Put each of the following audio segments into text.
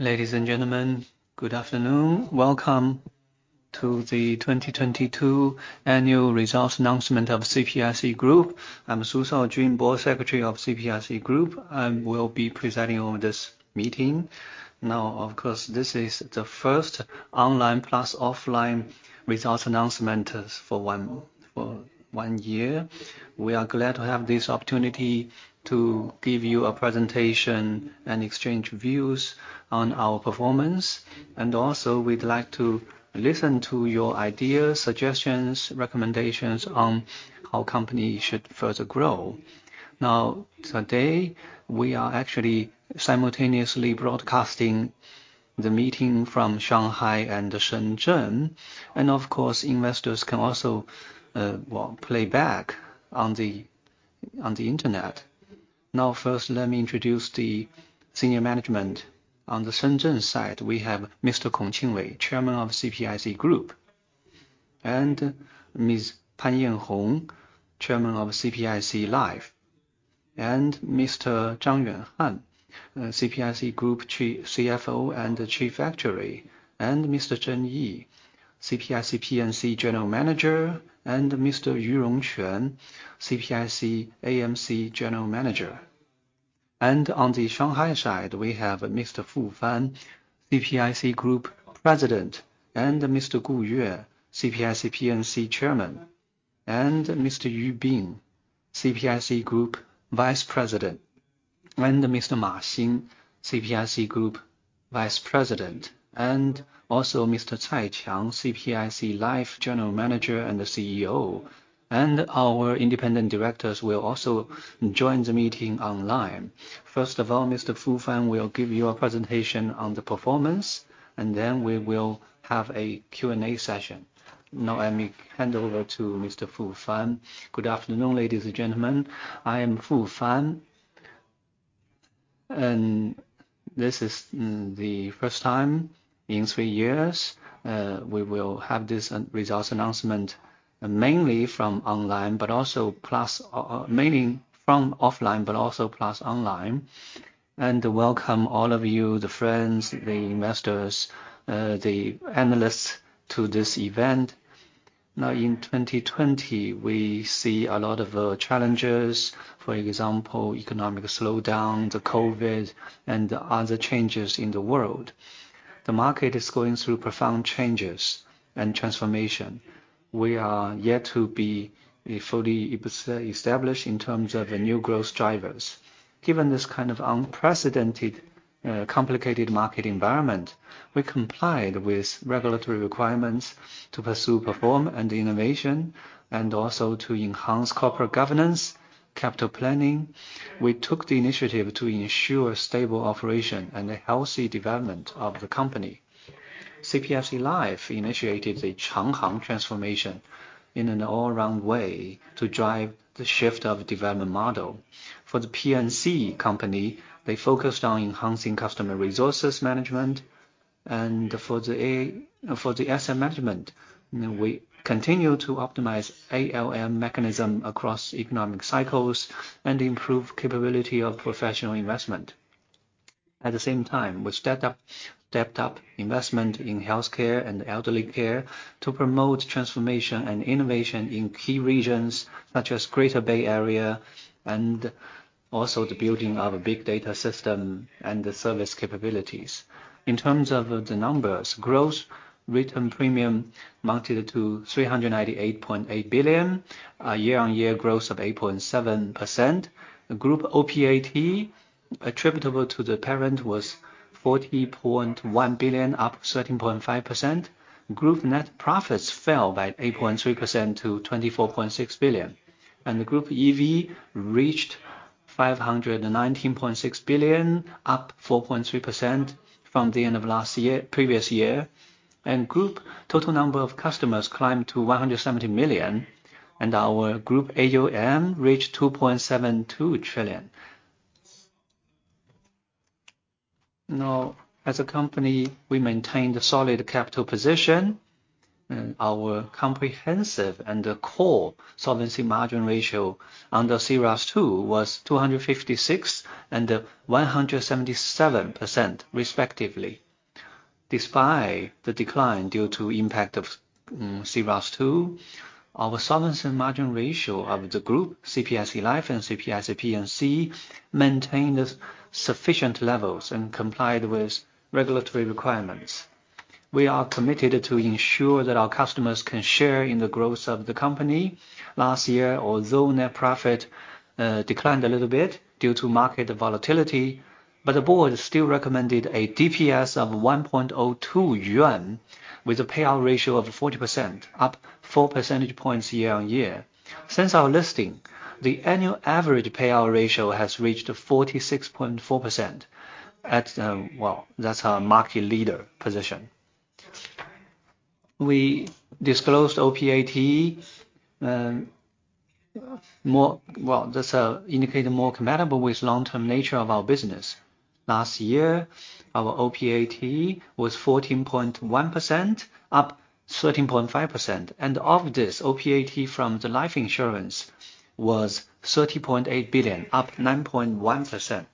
Ladies and gentlemen, good afternoon. Welcome to the 2022 annual results announcement of CPIC Group. I'm Su Shaojun, Board Secretary of CPIC Group. I will be presiding over this meeting. Of course, this is the first online plus offline results announcement for one year. We are glad to have this opportunity to give you a presentation and exchange views on our performance. Also we'd like to listen to your ideas, suggestions, recommendations on how company should further grow. Today, we are actually simultaneously broadcasting the meeting from Shanghai and Shenzhen. Of course, investors can also, well, play back on the internet. First, let me introduce the senior management. On the Shenzhen side, we have Mr. Kong Qingwei, Chairman of CPIC Group. Ms. Pan Yanhong, Chairman of CPIC Life, and Mr. Zhang Yuanhan, CPIC Group CFO and Chief Actuary, and Mr. Zheng Yi, CPIC P&C General Manager, and Mr. Yu Rongquan, CPIC AMC General Manager. On the Shanghai side, we have Mr. Fu Fan, CPIC Group President, Mr. Gu Yue, CPIC P&C Chairman, Mr. Yu Bin, CPIC Group Vice President, Mr. Ma Xin, CPIC Group Vice President, and also Mr. Cai Qiang, CPIC Life General Manager and CEO. Our independent directors will also join the meeting online. First of all, Mr. Fu Fan will give you a presentation on the performance, and then we will have a Q&A session. Let me hand over to Mr. Fu Fan. Good affternoon, ladies and gentlemen. I am Fu Fan, and this is the first time in three years, we will have this re-results announcement mainly from online, but also plus, mainly from offline, but also plus online. Welcome all of you, the friends, the investors, the analysts to this event. In 2020, we see a lot of challenges. For example, economic slowdown, the COVID, and other changes in the world. The market is going through profound changes and transformation. We are yet to be fully established in terms of new growth drivers. Given this kind of unprecedented, complicated market environment, we complied with regulatory requirements to pursue perform and innovation, and also to enhance corporate governance, capital planning. We took the initiative to ensure stable operation and a healthy development of the company. CPIC Life initiated the Changhang Transformation in an all-round way to drive the shift of development model. For the P&C company, they focused on enhancing customer resources management and for the asset management, we continue to optimize ALM mechanism across economic cycles and improve capability of professional investment. At the same time, we stepped up investment in healthcare and elderly care to promote transformation and innovation in key regions such as Greater Bay Area, and also the building of a big data system and the service capabilities. In terms of the numbers, gross written premium amounted to 388.8 billion, a year-on-year growth of 8.7%. Group OPAT attributable to the parent was 40.1 billion, up 13.5%. Group net profits fell by 8.3% to 24.6 billion. The group EV reached 519.6 billion, up 4.3% from the end of last year, previous year. Group total number of customers climbed to 170 million, and our Group AuM reached 2.72 trillion. Now, as a company, we maintain the solid capital position and our comprehensive and core solvency margin ratio under C-ROSS II was 256% and 177% respectively. Despite the decline due to impact of C-ROSS II, our solvency margin ratio of the group, CPIC Life and CPIC P&C, maintained sufficient levels and complied with regulatory requirements. We are committed to ensure that our customers can share in the growth of the company. Last year, although net profit declined a little bit due to market volatility, the board still recommended a DPS of 1.2 yuan, with a payout ratio of 40%, up 4 percentage points year-over-year. Since our listing, the annual average payout ratio has reached 46.4%, well, that's our market leader position. We disclosed OPAT. Well, that's indicated more compatible with long-term nature of our business. Last year, our OPAT was 14.1%, up 13.5%. Of this OPAT from the Life Insurance was 30.8 billion, up 9.1%.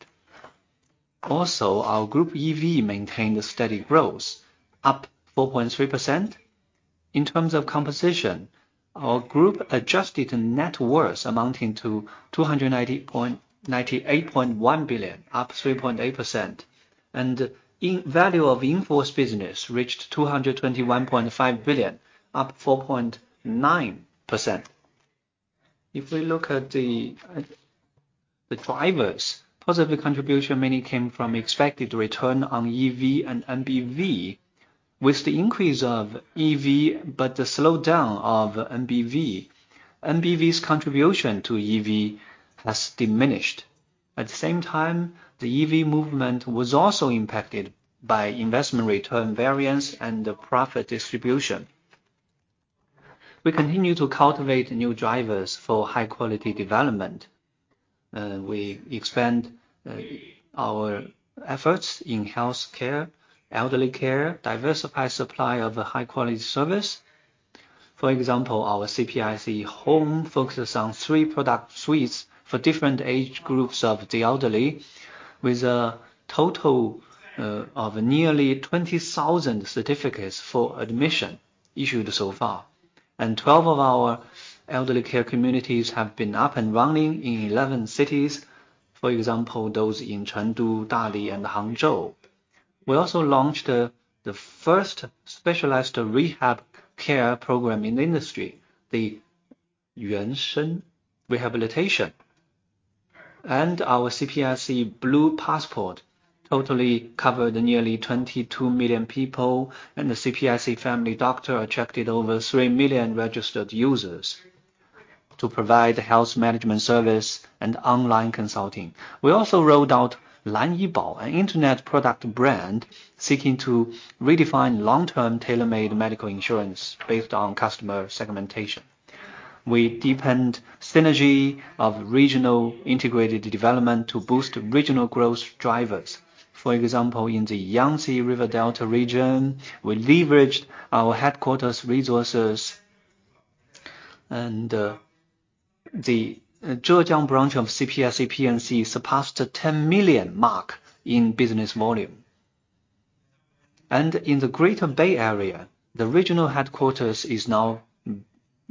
Our group EV maintained a steady growth, up 4.3%. In terms of composition, our group-adjusted net worth amounting to 298.1 billion, up 3.8%. value of in-force business reached 221.5 billion, up 4.9%. If we look at the drivers, positive contribution mainly came from expected return on EV and NBV. With the increase of EV but the slowdown of NBV's contribution to EV has diminished. At the same time, the EV movement was also impacted by investment return variance and the profit distribution. We continue to cultivate new drivers for high-quality development. We expand our efforts in healthcare, elderly care, diversify supply of a high-quality service. For example, our CPIC Home focuses on 3 product suites for different age groups of the elderly, with a total of nearly 20,000 certificates for admission issued so far. 12 of our elderly care communities have been up and running in 11 cities. For example, those in Chengdu, Dali and Hangzhou. We also launched the first specialized rehab care program in the industry, the Yuan Sheng Rehabilitation. Our CPIC Blue Passport totally covered nearly 22 million people, and the CPIC Family Doctor attracted over 3 million registered users to provide health management service and online consulting. We also rolled out Lanyi Bao, an internet product brand seeking to redefine long-term tailor-made medical insurance based on customer segmentation. We deepened synergy of regional integrated development to boost regional growth drivers. For example, in the Yangtze River Delta region, we leveraged our headquarters resources and the Zhejiang branch of CPIC P&C surpassed the 10 million mark in business volume. In the Greater Bay Area, the regional headquarters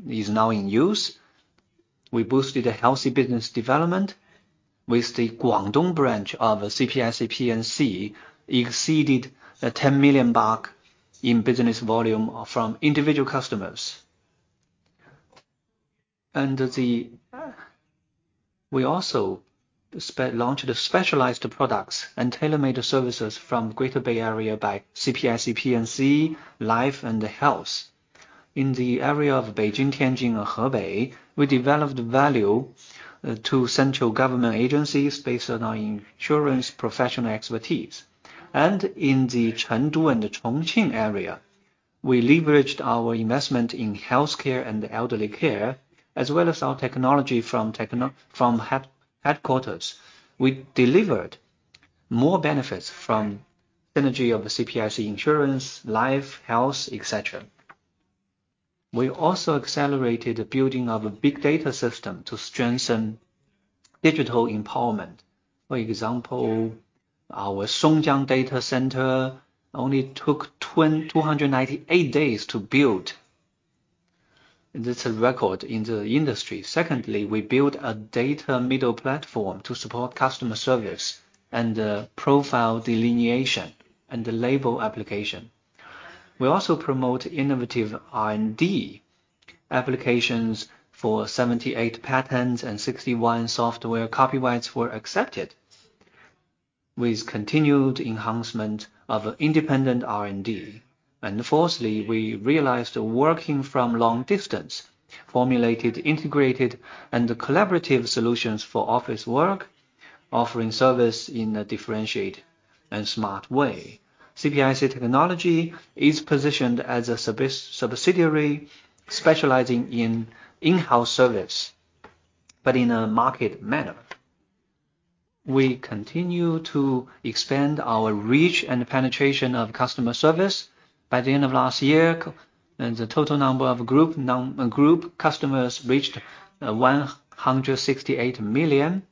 is now in use. We boosted a healthy business development with the Guangdong branch of CPIC P&C exceeded the CNY 10 million mark in business volume from individual customers. We also launched specialized products and tailor-made services from Greater Bay Area by CPIC P&C Life and Health. In the area of Beijing-Tianjin-Hebei, we developed value to central government agencies based on our insurance professional expertise. In the Chengdu and Chongqing area, we leveraged our investment in healthcare and elderly care, as well as our technology from headquarters. We delivered more benefits from synergy of CPIC Insurance, Life, Health, et cetera. We also accelerated the building of a big data system to strengthen digital empowerment. For example, our Songjiang data center only took 298 days to build. That's a record in the industry. Secondly, we built a data middle platform to support customer service and profile delineation and label application. We also promote innovative R&D. Applications for 78 patents and 61 software copyrights were accepted with continued enhancement of independent R&D. Fourthly, we realized working from long distance, formulated integrated and collaborative solutions for office work, offering service in a differentiated and smart way. CPIC Technology is positioned as a subsidiary specializing in in-house service, but in a market manner. We continue to expand our reach and penetration of customer service. By the end of last year, the total number of group customers reached 168 million,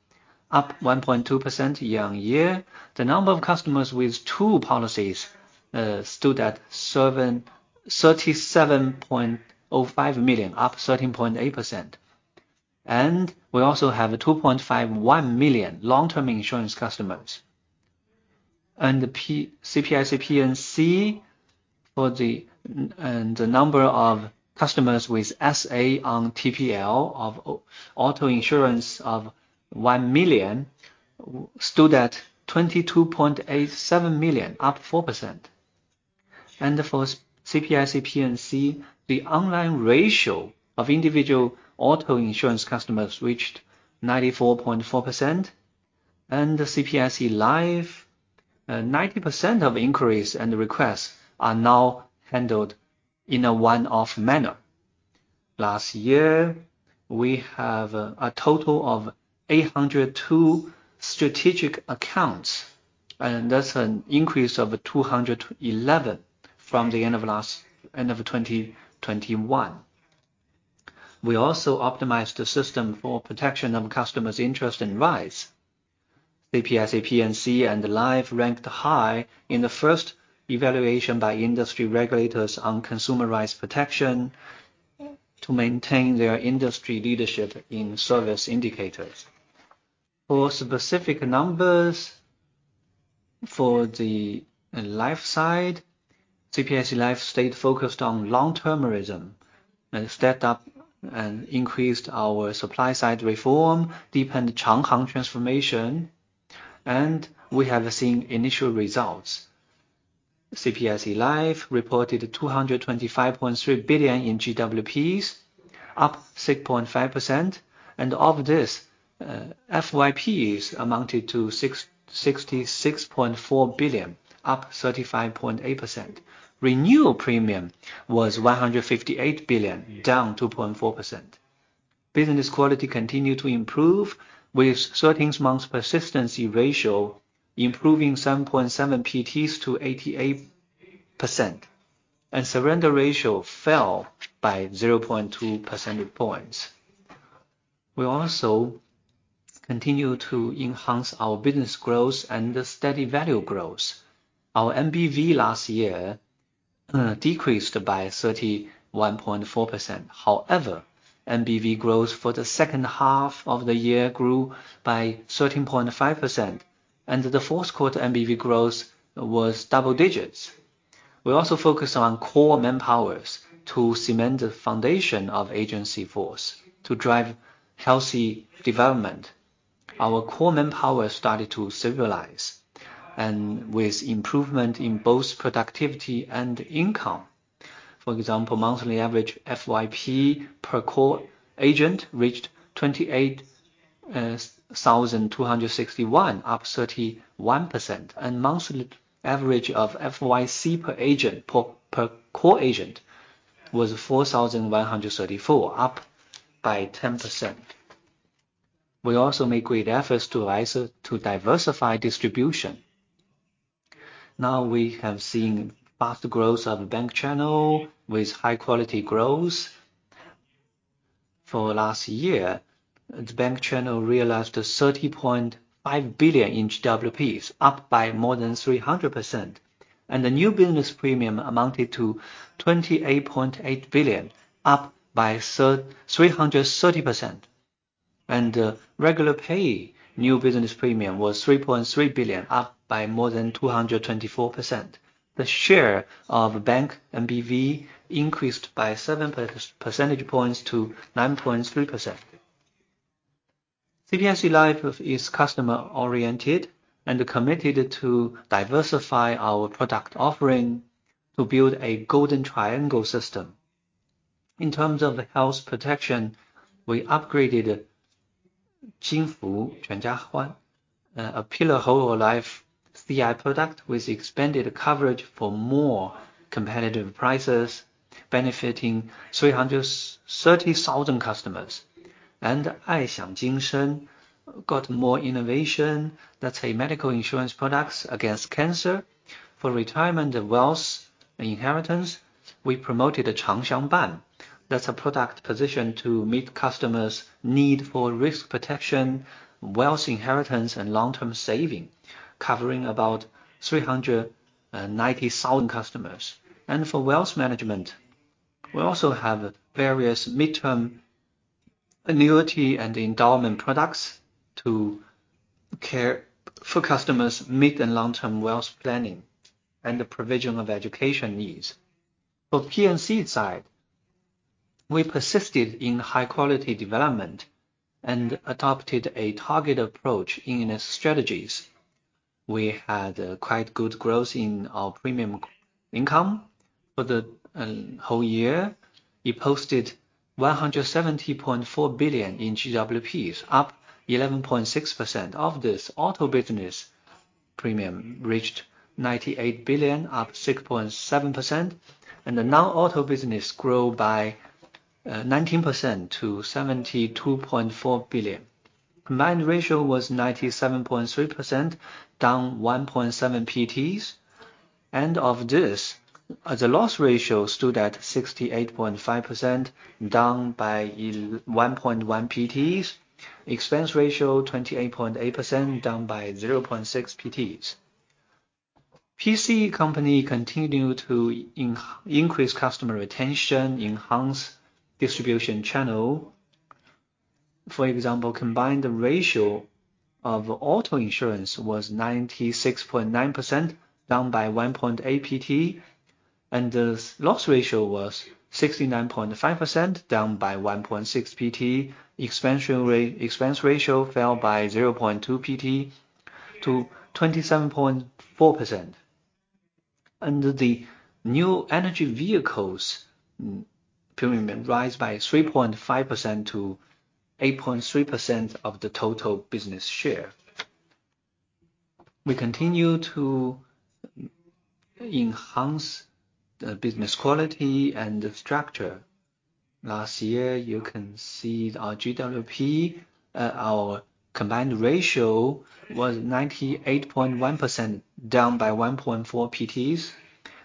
up 1.2% year-on-year. The number of customers with two policies stood at 37.05 million, up 13.8%. We also have 2.51 million long-term insurance customers. CPIC P&C for the... The number of customers with SA on TPL of auto insurance of 1 million stood at 22.87 million, up 4%. For CPIC P&C, the online ratio of individual auto insurance customers reached 94.4%. The CPIC Life, 90% of inquiries and requests are now handled in a one-off manner. Last year, we have a total of 802 strategic accounts. That's an increase of 211 from the end of 2021. We also optimized the system for protection of customers' interest and rights. CPIC P&C and Life ranked high in the first evaluation by industry regulators on consumer rights protection to maintain their industry leadership in service indicators. For specific numbers, for the Life side, CPIC Life stayed focused on long-termism and stepped up and increased our supply side reform, deepened Changhang Transformation, and we have seen initial results. CPIC Life reported 225.3 billion in GWPs, up 6.5%, and of this, FYPs amounted to 66.4 billion, up 35.8%. Renewal premium was 158 billion, down 2.4%. Business quality continued to improve, with 13 months persistency ratio improving 7.7 PTs to 88%, and surrender ratio fell by 0.2 percentage points. We also continue to enhance our business growth and the steady value growth. Our NBV last year decreased by 31.4%. NBV growth for the second half of the year grew by 13.5%. The fourth quarter NBV growth was double digits. We also focused on core manpower to cement the foundation of agency force to drive healthy development. Our core manpower started to stabilize, with improvement in both productivity and income. For example, monthly average FYP per core agent reached 28,261, up 31%. Monthly average of FYC per core agent was 4,134, up by 10%. We also make great efforts to diversify distribution. We have seen fast growth of bank channel with high quality growth. For last year, the bank channel realized 30.5 billion in GWPs, up by more than 300%. The new business premium amounted to 28.8 billion, up by 330%. Regular pay new business premium was 3.3 billion, up by more than 224%. The share of bank NBV increased by seven percentage points to 9.3%. CPIC Life is customer-oriented and committed to diversify our product offering to build a golden triangle system. In terms of health protection, we upgraded Xingfu Quan Jiahuan, a pillar whole life CI product with expanded coverage for more competitive prices, benefiting 330,000 customers. Aixiang Jinsheng got more innovation. That's a medical insurance products against cancer. For retirement wealth inheritance, we promoted a Chang Xiang Ban. That's a product positioned to meet customers' need for risk protection, wealth inheritance, and long-term saving, covering about 390,000 customers. For wealth management, we also have various midterm annuity and endowment products to care for customers' mid and long-term wealth planning and the provision of education needs. For P&C side, we persisted in high quality development and adopted a target approach in its strategies. We had quite good growth in our premium income. For the whole year, it posted 170.4 billion in GWPs, up 11.6%. Of this, auto business premium reached 98 billion, up 6.7%. The non-auto business grew by 19% to 72.4 billion. Combined ratio was 97.3%, down 1.7 PTs. Of this, the loss ratio stood at 68.5%, down by 1.1 PTs. Expense ratio 28.8%, down by 0.6 PTs. P&C company continued to increase customer retention, enhance distribution channel. For example, combined ratio of auto insurance was 96.9%, down by 1.8 PT. The loss ratio was 69.5%, down by 1.6 PT. Expense ratio fell by 0.2 PT to 27.4%. The new energy vehicles premium rise by 3.5% to 8.3% of the total business share. We continue to enhance the business quality and the structure. Last year, you can see our GWP, our combined ratio was 98.1%, down by 1.4 PTs.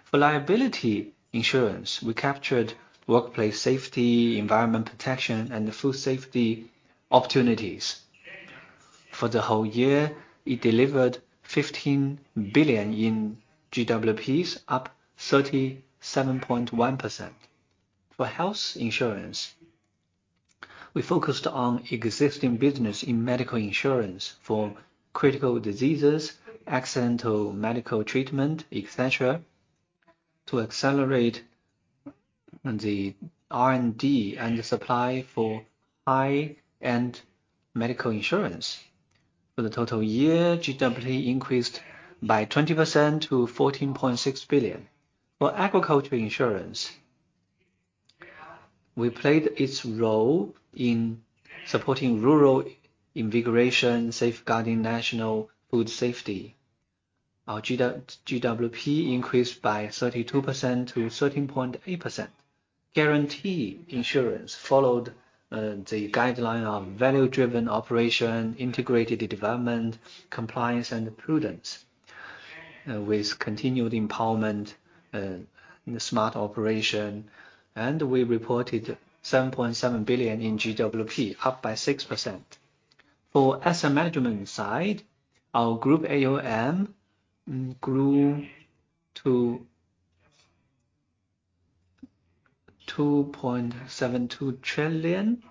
For liability insurance, we captured workplace safety, environmental protection, and food safety opportunities. For the whole year, it delivered 15 billion in GWPs, up 37.1%. For health insurance, we focused on existing business in medical insurance for critical diseases, accidental medical treatment, etc., to accelerate the R&D and the supply for high-end medical insurance. For the total year, GWP increased by 20% to 14.6 billion. For agriculture insurance, we played its role in supporting rural invigoration, safeguarding national food safety. Our GWP increased by 32% to 13.8%. Guarantee insurance followed the guideline of value-driven operation, integrated development, compliance, and prudence, with continued empowerment and smart operation. We reported 7.7 billion in GWP, up by 6%. For asset management side, our Group AuM grew to CNY 2.72 trillion.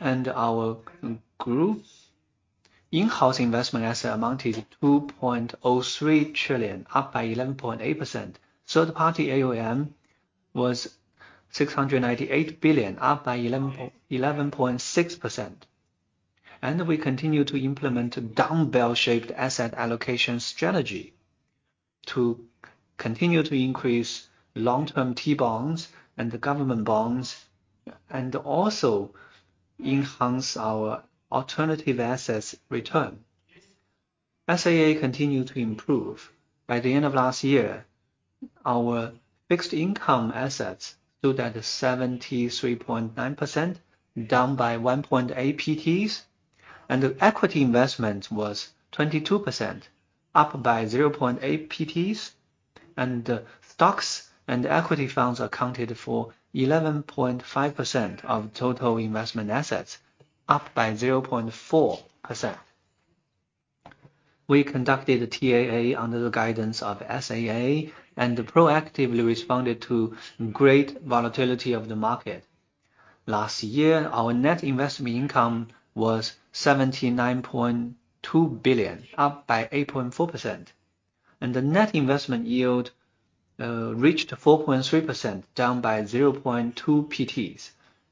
Our group in-house investment asset amounted 2.03 trillion, up by 11.8%. Third-party AuM was 698 billion, up by 11.6%. We continue to implement a dumbbell-shaped asset allocation strategy to continue to increase long-term T-bonds and the government bonds, and also enhance our alternative assets return. SAA continued to improve. By the end of last year, our fixed income assets stood at 73.9%, down by 1.8 percentage points, and the equity investment was 22%, up by 0.8 percentage points. Stocks and equity funds accounted for 11.5% of total investment assets, up by 0.4%. We conducted TAA under the guidance of SAA and proactively responded to great volatility of the market. Last year, our net investment income was 79.2 billion, up by 8.4%. The net investment yield reached 4.3%, down by 0.2 percentage points.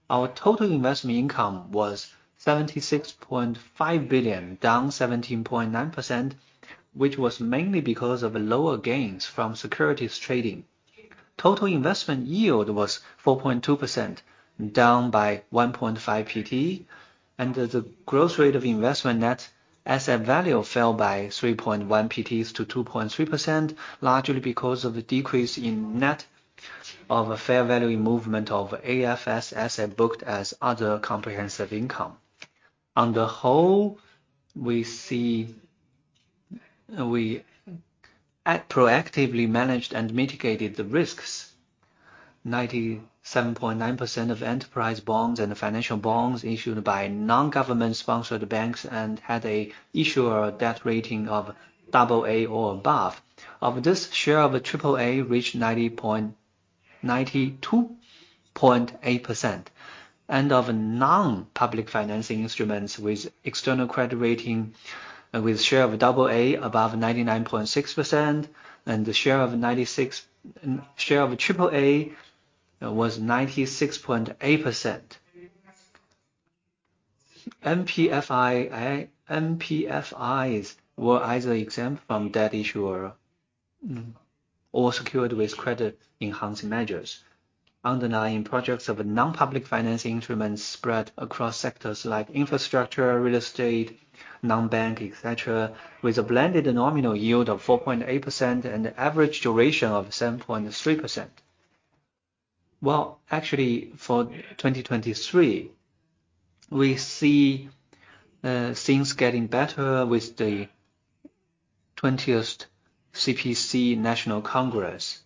Our total investment income was 76.5 billion, down 17.9%, which was mainly because of lower gains from securities trading. Total investment yield was 4.2%, down by 1.5 percentage point. The growth rate of investment net asset value fell by 3.1 percentage points to 2.3%, largely because of a decrease in net of a fair value movement of AFS asset booked as other comprehensive income. On the whole, we proactively managed and mitigated the risks. 97.9% of enterprise bonds and financial bonds issued by non-government-sponsored banks and had an issuer debt rating of double A or above. Of this, share of triple A reached 92.8%. Of non-public financing instruments with external credit rating, with share of double A above 99.6%, and the share of triple A was 96.8%. NPFIs were either exempt from debt issuer or secured with credit enhancing measures. Underlying projects of non-public finance instruments spread across sectors like infrastructure, real estate, non-bank, etc., with a blended nominal yield of 4.8% and average duration of 7.3%. Well, actually, for 2023, we see things getting better with the 20th CPC National Congress.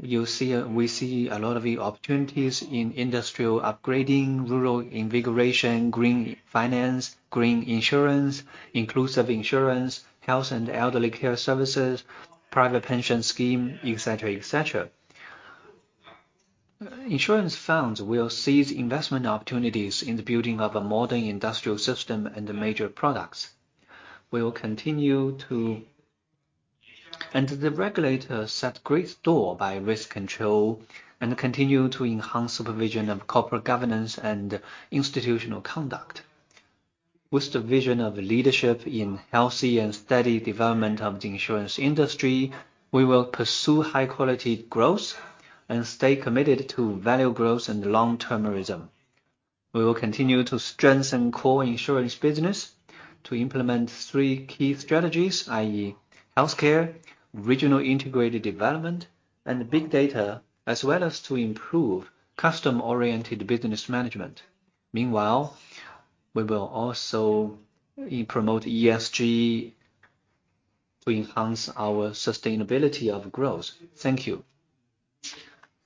You see, we see a lot of the opportunities in industrial upgrading, rural invigoration, green finance, green insurance, inclusive insurance, health and elderly care services, private pension scheme, etc., etc. Insurance funds will seize investment opportunities in the building of a modern industrial system and major products. We will continue to... The regulator set great store by risk control and continue to enhance supervision of corporate governance and institutional conduct. With the vision of leadership in healthy and steady development of the insurance industry, we will pursue high quality growth and stay committed to value growth and long-termism. We will continue to strengthen core insurance business to implement three key strategies, i.e. healthcare, regional integrated development, and big data, as well as to improve customer-oriented business management. Meanwhile, we will also promote ESG to enhance our sustainability of growth. Thank you.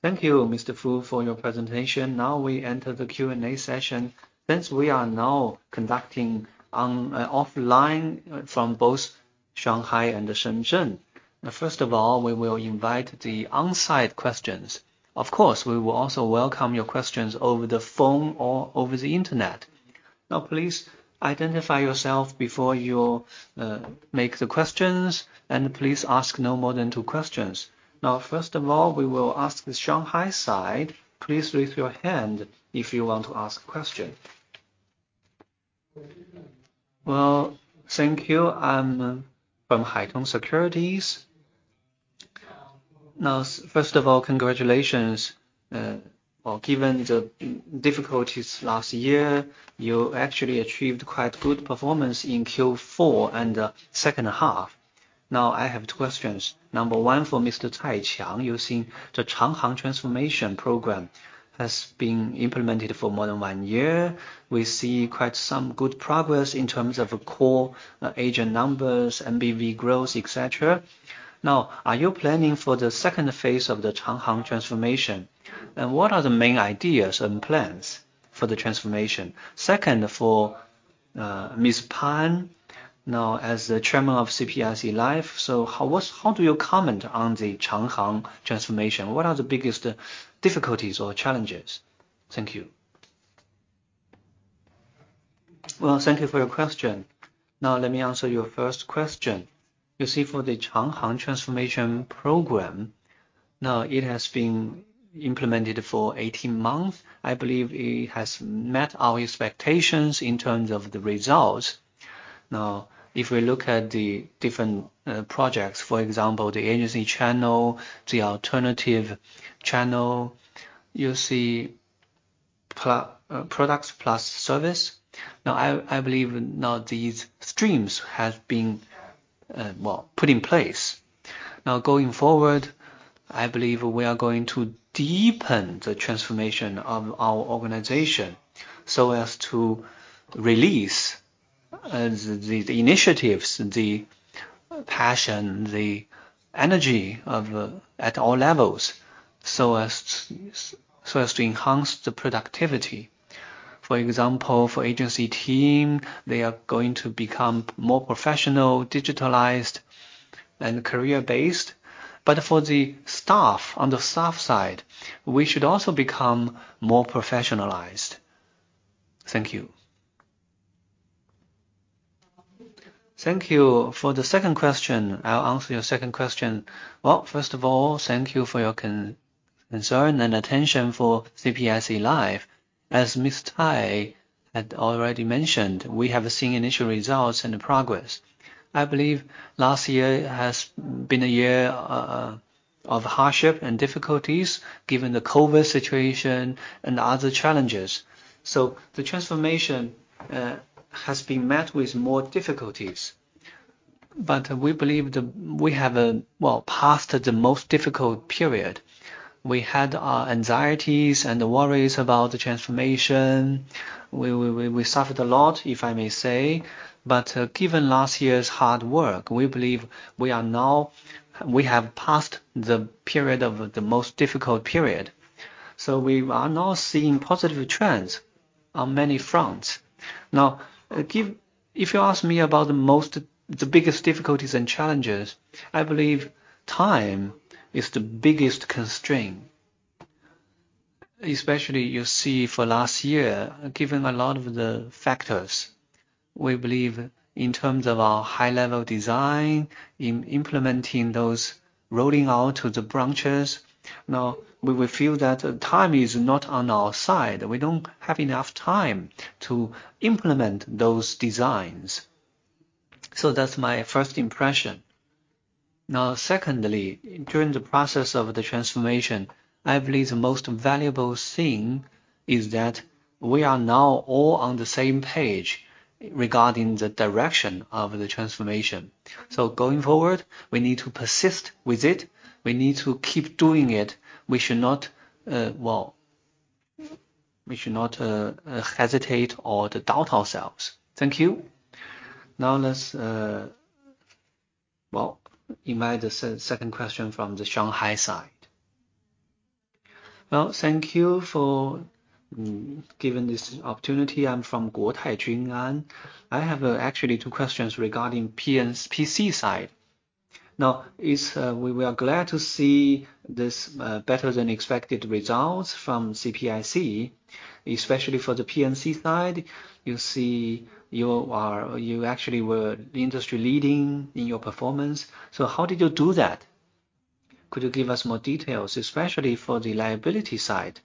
Thank you, Mr. Fu, for your presentation. We enter the Q&A session. Since we are now conducting on offline from both Shanghai and Shenzhen. First of all, we will invite the onsite questions. Of course, we will also welcome your questions over the phone or over the internet. Please identify yourself before you make the questions, and please ask no more than two questions. First of all, we will ask the Shanghai side. Please raise your hand if you want to ask a question. Well, thank you. I'm from Haitong Securities. First of all, congratulations. Well, given the difficulties last year, you actually achieved quite good performance in Q4 and the second half. I have two questions. Number one for Mr. Cai Qiang. You see, the Changhang Transformation program has been implemented for more than one year. We see quite some good progress in terms of core agent numbers, NBV growth, et cetera. Are you planning for the second phase of the Changhang Transformation, and what are the main ideas and plans for the transformation? Second, for Ms. Pan. As the Chairman of CPIC Life, how do you comment on the Changhang Transformation? What are the biggest difficulties or challenges? Thank you. Well, thank you for your question. Let me answer your first question. For the Changhang Transformation program, it has been implemented for 18 months. I believe it has met our expectations in terms of the results. If we look at the different projects, for example, the agency channel, the alternative channel, you see products plus service. I believe these streams have been well put in place. Going forward, I believe we are going to deepen the transformation of our organization so as to release the initiatives, the passion, the energy at all levels so as to enhance the productivity. For example, for agency team, they are going to become more professional, digitalized, and career-based. For the staff, on the staff side, we should also become more professionalized. Thank you. Thank you. For the second question, I'll answer your second question. Well, first of all, thank you for your concern and attention for CPIC Life. As Mr. Cai had already mentioned, we have seen initial results and progress. I believe last year has been a year of hardship and difficulties given the COVID situation and other challenges. The transformation has been met with more difficulties. We believe we have, well, passed the most difficult period. We had our anxieties and worries about the transformation. We suffered a lot, if I may say. Given last year's hard work, we believe we are now. We have passed the period of the most difficult period. We are now seeing positive trends on many fronts. Now, if you ask me about the biggest difficulties and challenges, I believe time is the biggest constraint. Especially you see for last year, given a lot of the factors, we believe in terms of our high-level design, in implementing those, rolling out to the branches. Now, we will feel that time is not on our side. We don't have enough time to implement those designs. That's my first impression. Now, secondly, during the process of the transformation, I believe the most valuable thing is that we are now all on the same page regarding the direction of the transformation. Going forward, we need to persist with it. We need to keep doing it. We should not, well, we should not hesitate or doubt ourselves. Thank you. Well, let's invite the second question from the Shanghai side. Well, thank you for giving this opportunity. I'm from Guotai Junan. I have actually two questions regarding P&C side. We are glad to see this better than expected results from CPIC, especially for the P&C side. You see, you actually were industry-leading in your performance. How did you do that? Could you give us more details, especially for the liability side?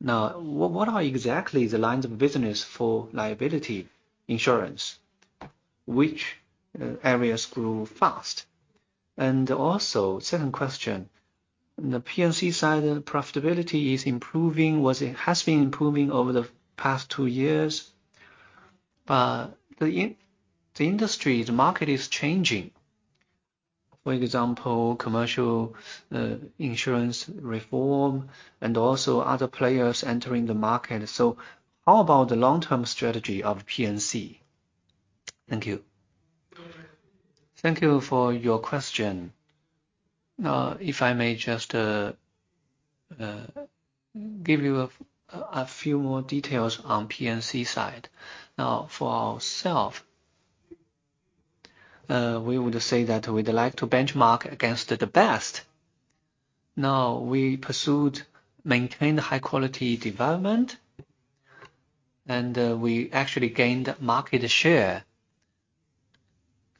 What are exactly the lines of business for liability insurance? Which areas grew fast? Also, second question. The P&C side profitability is improving, it has been improving over the past two years. The industry, the market is changing. For example, commercial insurance reform and also other players entering the market. How about the long-term strategy of P&C? Thank you. Thank you for your question. If I may just give you a few more details on P&C side. For ourself, we would say that we'd like to benchmark against the best. We pursued maintain high-quality development, and we actually gained market share.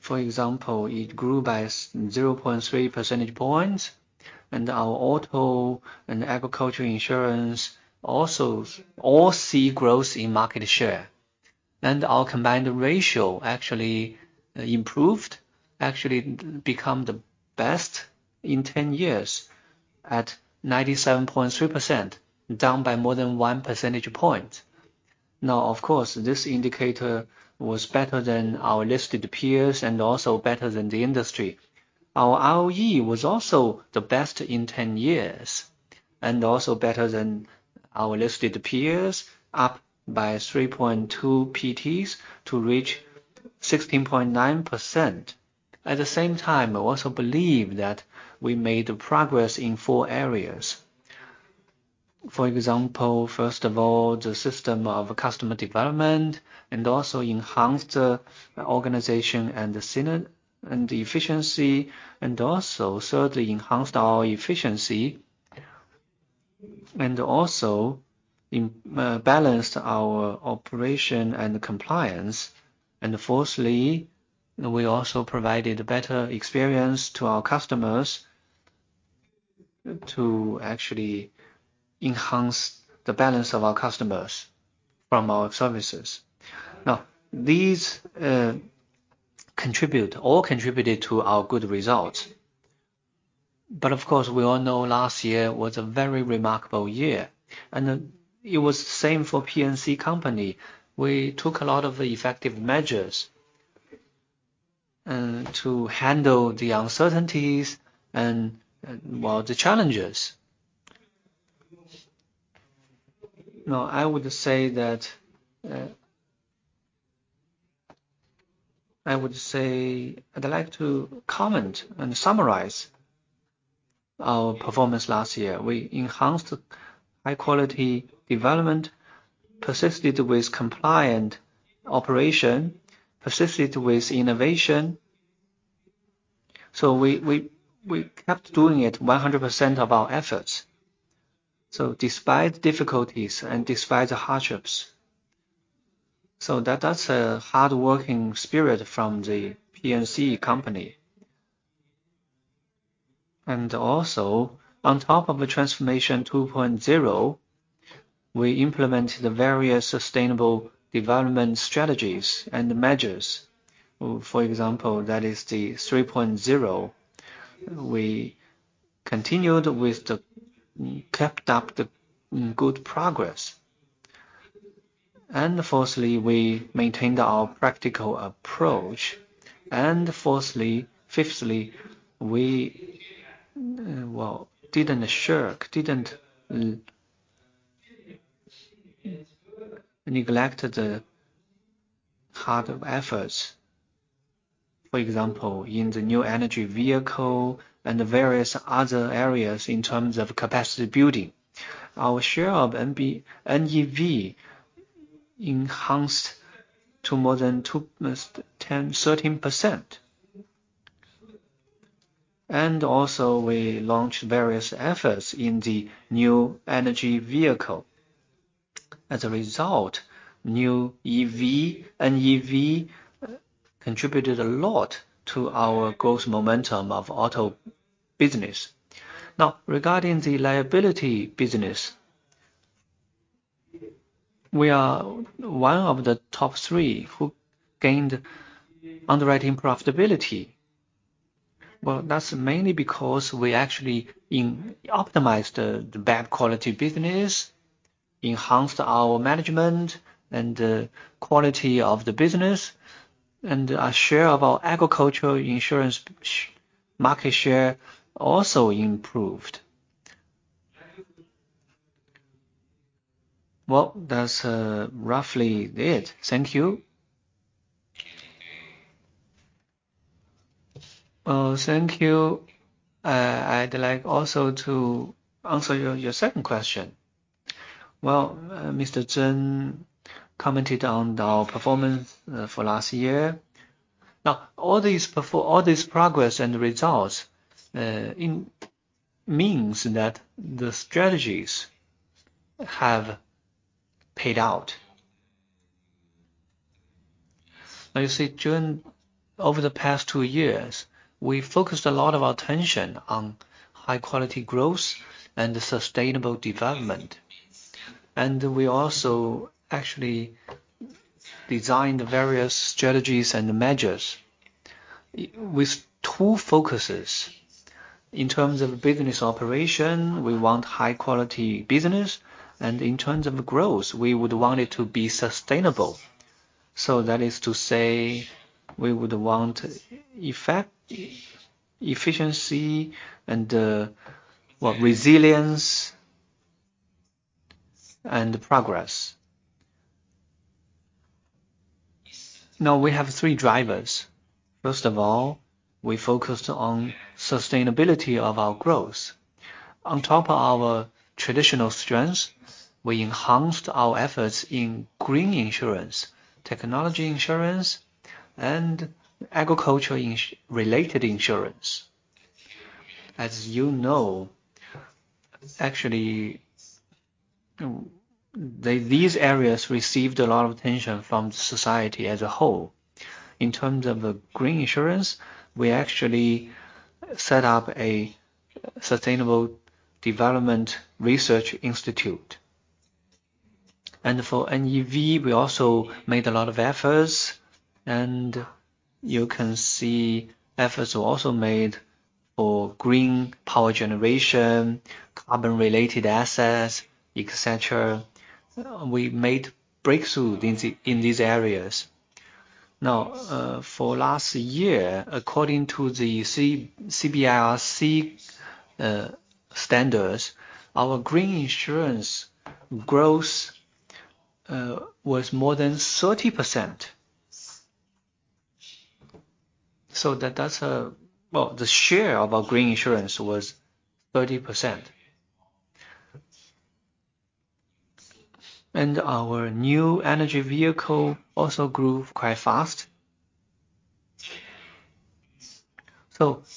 For example, it grew by 0.3 percentage points, and our auto and agricultural insurance also all see growth in market share. Our combined ratio actually improved, actually become the best in 10 years at 97.3%, down by more than one percentage point. Of course, this indicator was better than our listed peers and also better than the industry. Our ROE was also the best in 10 years and also better than our listed peers, up by 3.2 percentage points to reach 16.9%. At the same time, I also believe that we made progress in four areas. For example, first of all, the system of customer development and also enhanced organization and the efficiency, and also certainly enhanced our efficiency, and also balanced our operation and compliance. Fourthly, we also provided better experience to our customers to actually enhance the balance of our customers from our services. These contribute or contributed to our good results. Of course, we all know last year was a very remarkable year, it was same for CPIC P&C Company. We took a lot of effective measures to handle the uncertainties and well, the challenges. I would say I'd like to comment and summarize our performance last year. We enhanced high-quality development, persisted with compliant operation, persisted with innovation, so we kept doing it 100% of our efforts, so despite difficulties and despite the hardships. That's a hardworking spirit from the CPIC P&C. Also, on top of the Transformation 2.0, we implemented the various sustainable development strategies and measures. For example, that is the 3.0. We kept up the good progress. Fourthly, we maintained our practical approach. Fifthly, we, well, didn't shirk, didn't neglect the hard efforts. For example, in the new energy vehicle and the various other areas in terms of capacity building. Our share of NEV enhanced to more than 2%, 10%, 13%. We launched various efforts in the new energy vehicle. As a result, new EV, NEV contributed a lot to our growth momentum of auto business. Regarding the liability business, we are one of the top 3 who gained underwriting profitability. That's mainly because we actually optimized the bad quality business, enhanced our management and the quality of the business, and our share of our agricultural insurance market share also improved. That's roughly it. Thank you. Thank you. I'd like also to answer your second question. Mr. Chen commented on our performance for last year. All this progress and results means that the strategies have paid out. You see, during... over the past two years, we focused a lot of our attention on high-quality growth and sustainable development. We also actually designed various strategies and measures with two focuses. In terms of business operation, we want high-quality business, and in terms of growth, we would want it to be sustainable. That is to say we would want efficiency and, what, resilience and progress. Now, we have three drivers. First of all, we focused on sustainability of our growth. On top of our traditional strengths, we enhanced our efforts in green insurance, technology insurance, and agriculture related insurance. As you know, actually, these areas received a lot of attention from society as a whole. In terms of green insurance, we actually set up a sustainable development research institute. For NEV, we also made a lot of efforts, and you can see efforts were also made for green power generation, carbon-related assets, et cetera. We made breakthrough in these areas. For last year, according to the CBRC standards, our green insurance growth was more than 30%. The share of our green insurance was 30%. Our new energy vehicle also grew quite fast.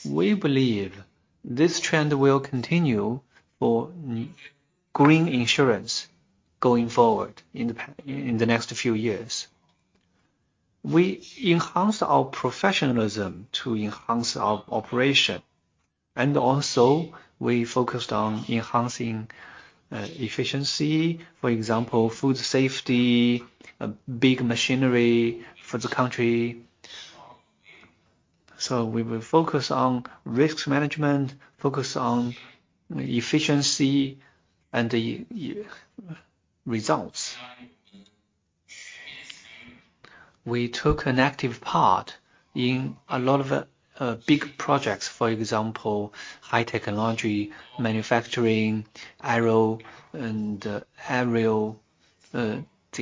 We believe this trend will continue for green insurance going forward in the next few years. We enhanced our professionalism to enhance our operation, and also we focused on enhancing efficiency, for example, food safety, big machinery for the country. We will focus on risk management, focus on efficiency and the results. We took an active part in a lot of big projects, for example, high technology, manufacturing, the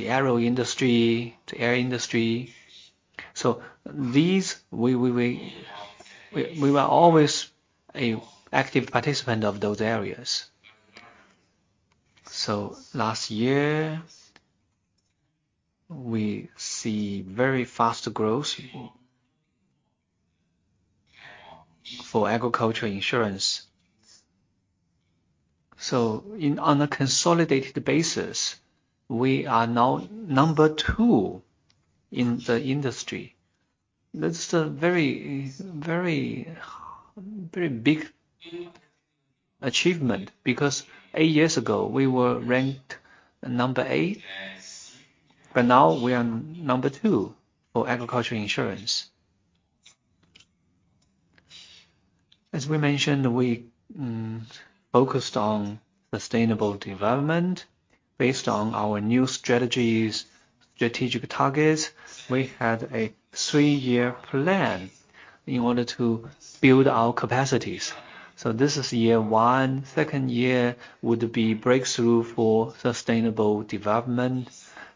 aero industry, the air industry. These we were always a active participant of those areas. Last year, we see very fast growth for agriculture insurance. On a consolidated basis, we are now number two in the industry. That's a very, very big achievement because eight years ago we were ranked number eight, but now we are number two for agriculture insurance. As we mentioned, we focused on sustainable development based on our new strategies, strategic targets. We had a three-year plan in order to build our capacities. This is year one. Second year would be breakthrough for sustainable development,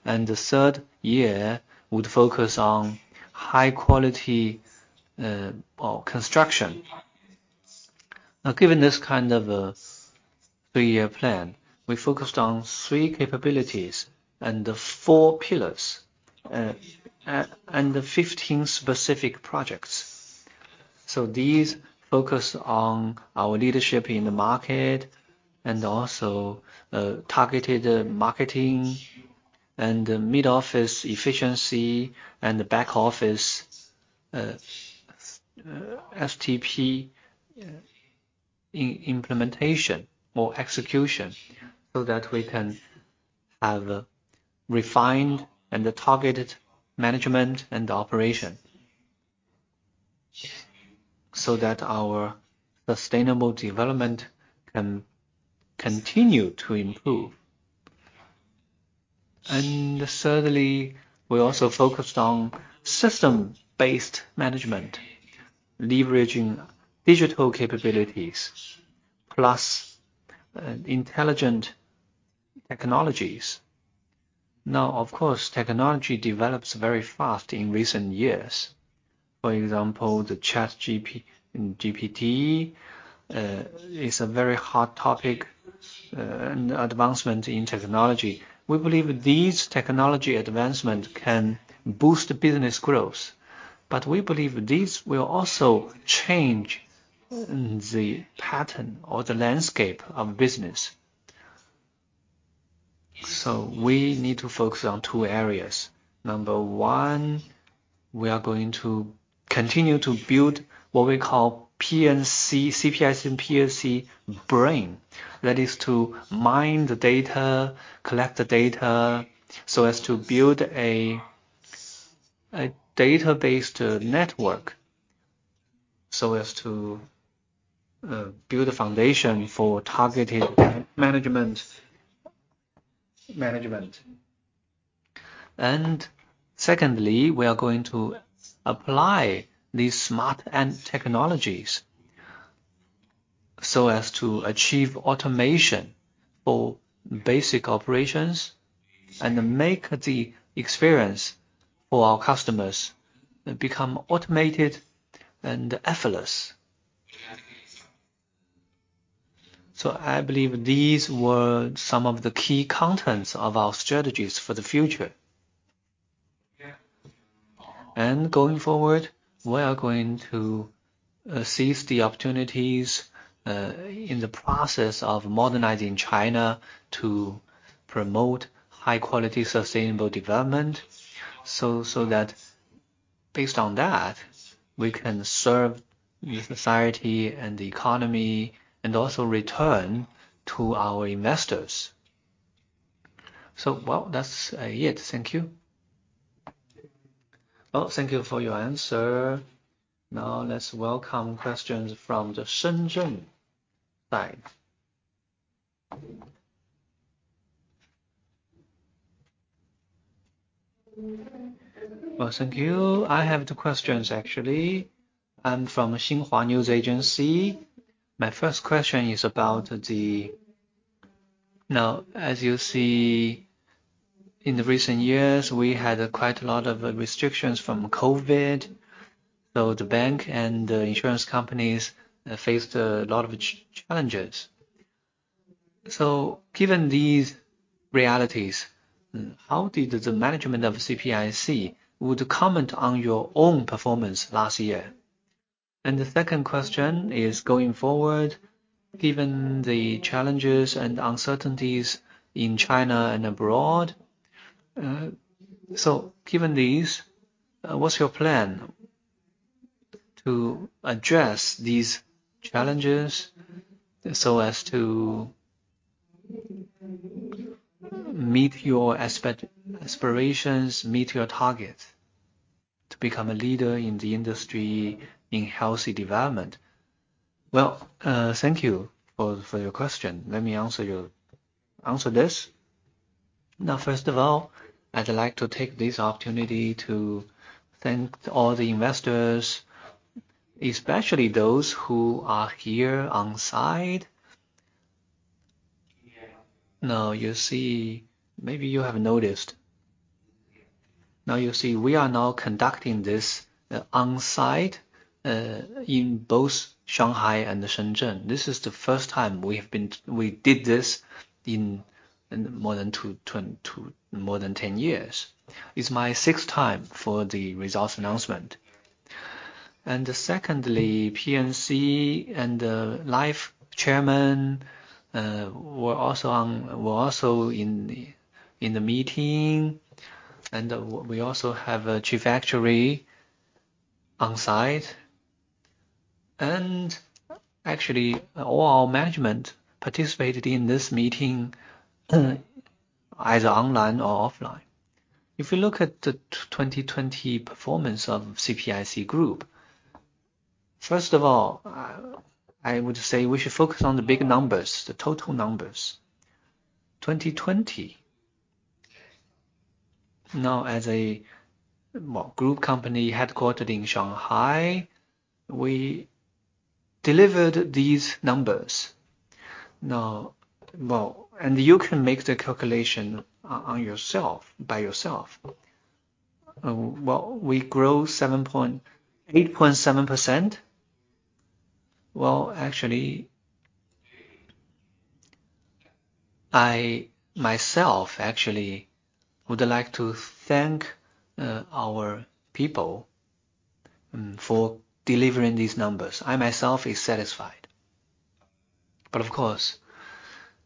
and the third year would focus on high quality or construction. Given this kind of a 3-year plan, we focused on three capabilities and four pillars, and 15 specific projects. These focus on our leadership in the market and also, targeted marketing and mid-office efficiency and back office, STP implementation or execution, so that we can have a refined and a targeted management and operation, so that our sustainable development can continue to improve. Thirdly, we also focused on system-based management, leveraging digital capabilities plus, intelligent technologies. Of course, technology develops very fast in recent years. For example, the ChatGPT is a very hot topic, and advancement in technology. We believe these technology advancement can boost business growth, but we believe these will also change the pattern or the landscape of business. We need to focus on two areas. Number one, we are going to continue to build what we call P&C, CPIC P&C brain. That is to mine the data, collect the data, so as to build a database to network, so as to build a foundation for targeted management. Secondly, we are going to apply these smart end technologies so as to achieve automation for basic operations and make the experience for our customers become automated and effortless. I believe these were some of the key contents of our strategies for the future. Going forward, we are going to seize the opportunities in the process of modernizing China to promote high-quality, sustainable development. That based on that, we can serve the society and the economy and also return to our investors. Well, that's it. Thank you. Well, thank you for your answer. Let's welcome questions from the Shenzhen side. Well, thank you. I have two questions, actually. I'm from Xinhua News Agency. My first question is about. As you see, in the recent years, we had quite a lot of restrictions from COVID, so the bank and the insurance companies faced a lot of challenges. Given these realities, how did the management of CPIC would comment on your own performance last year? The second question is going forward, given the challenges and uncertainties in China and abroad, given these, what's your plan to address these challenges so as to meet your aspirations, meet your target to become a leader in the industry in healthy development? Well, thank you for your question. Let me answer this. First of all, I'd like to take this opportunity to thank all the investors, especially those who are here on site. Maybe you have noticed. We are now conducting this on site in both Shanghai and Shenzhen. This is the first time we did this in more than 10 years. It's my 6th time for the results announcement. Secondly, P&C and the life chairman were also in the meeting, and we also have a chief actuary on site. Actually, all our management participated in this meeting, either online or offline. If you look at the 2020 performance of CPIC Group, first of all, I would say we should focus on the big numbers, the total numbers. 2020. Now, as a group company headquartered in Shanghai, we delivered these numbers. Well, you can make the calculation on yourself, by yourself. well, we grew 8.7%. Actually, I myself actually would like to thank our people for delivering these numbers. I myself is satisfied. Of course,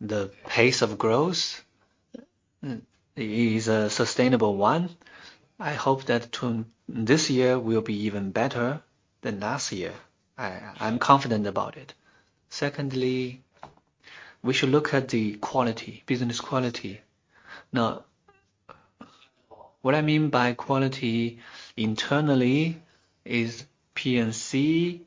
the pace of growth is a sustainable one. I hope that this year will be even better than last year. I'm confident about it. Secondly, we should look at the quality, business quality. What I mean by quality internally is P&C.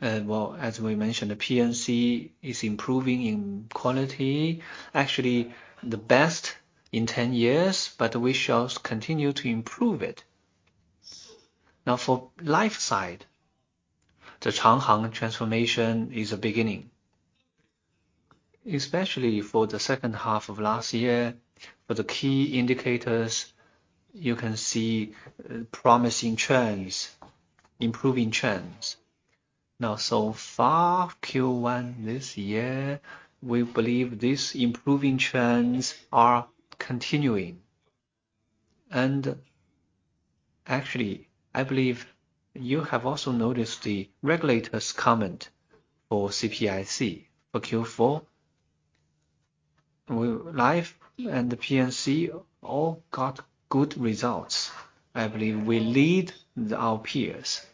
As we mentioned, the P&C is improving in quality. Actually, the best in 10 years, but we shall continue to improve it. For life side, the Changhang Transformation is a beginning, especially for the second half of last year. For the key indicators, you can see promising trends, improving trends. So far, Q1 this year, we believe these improving trends are continuing. Actually, I believe you have also noticed the regulator's comment for CPIC for Q4, life and the P&C all got good results. I believe we lead our peers.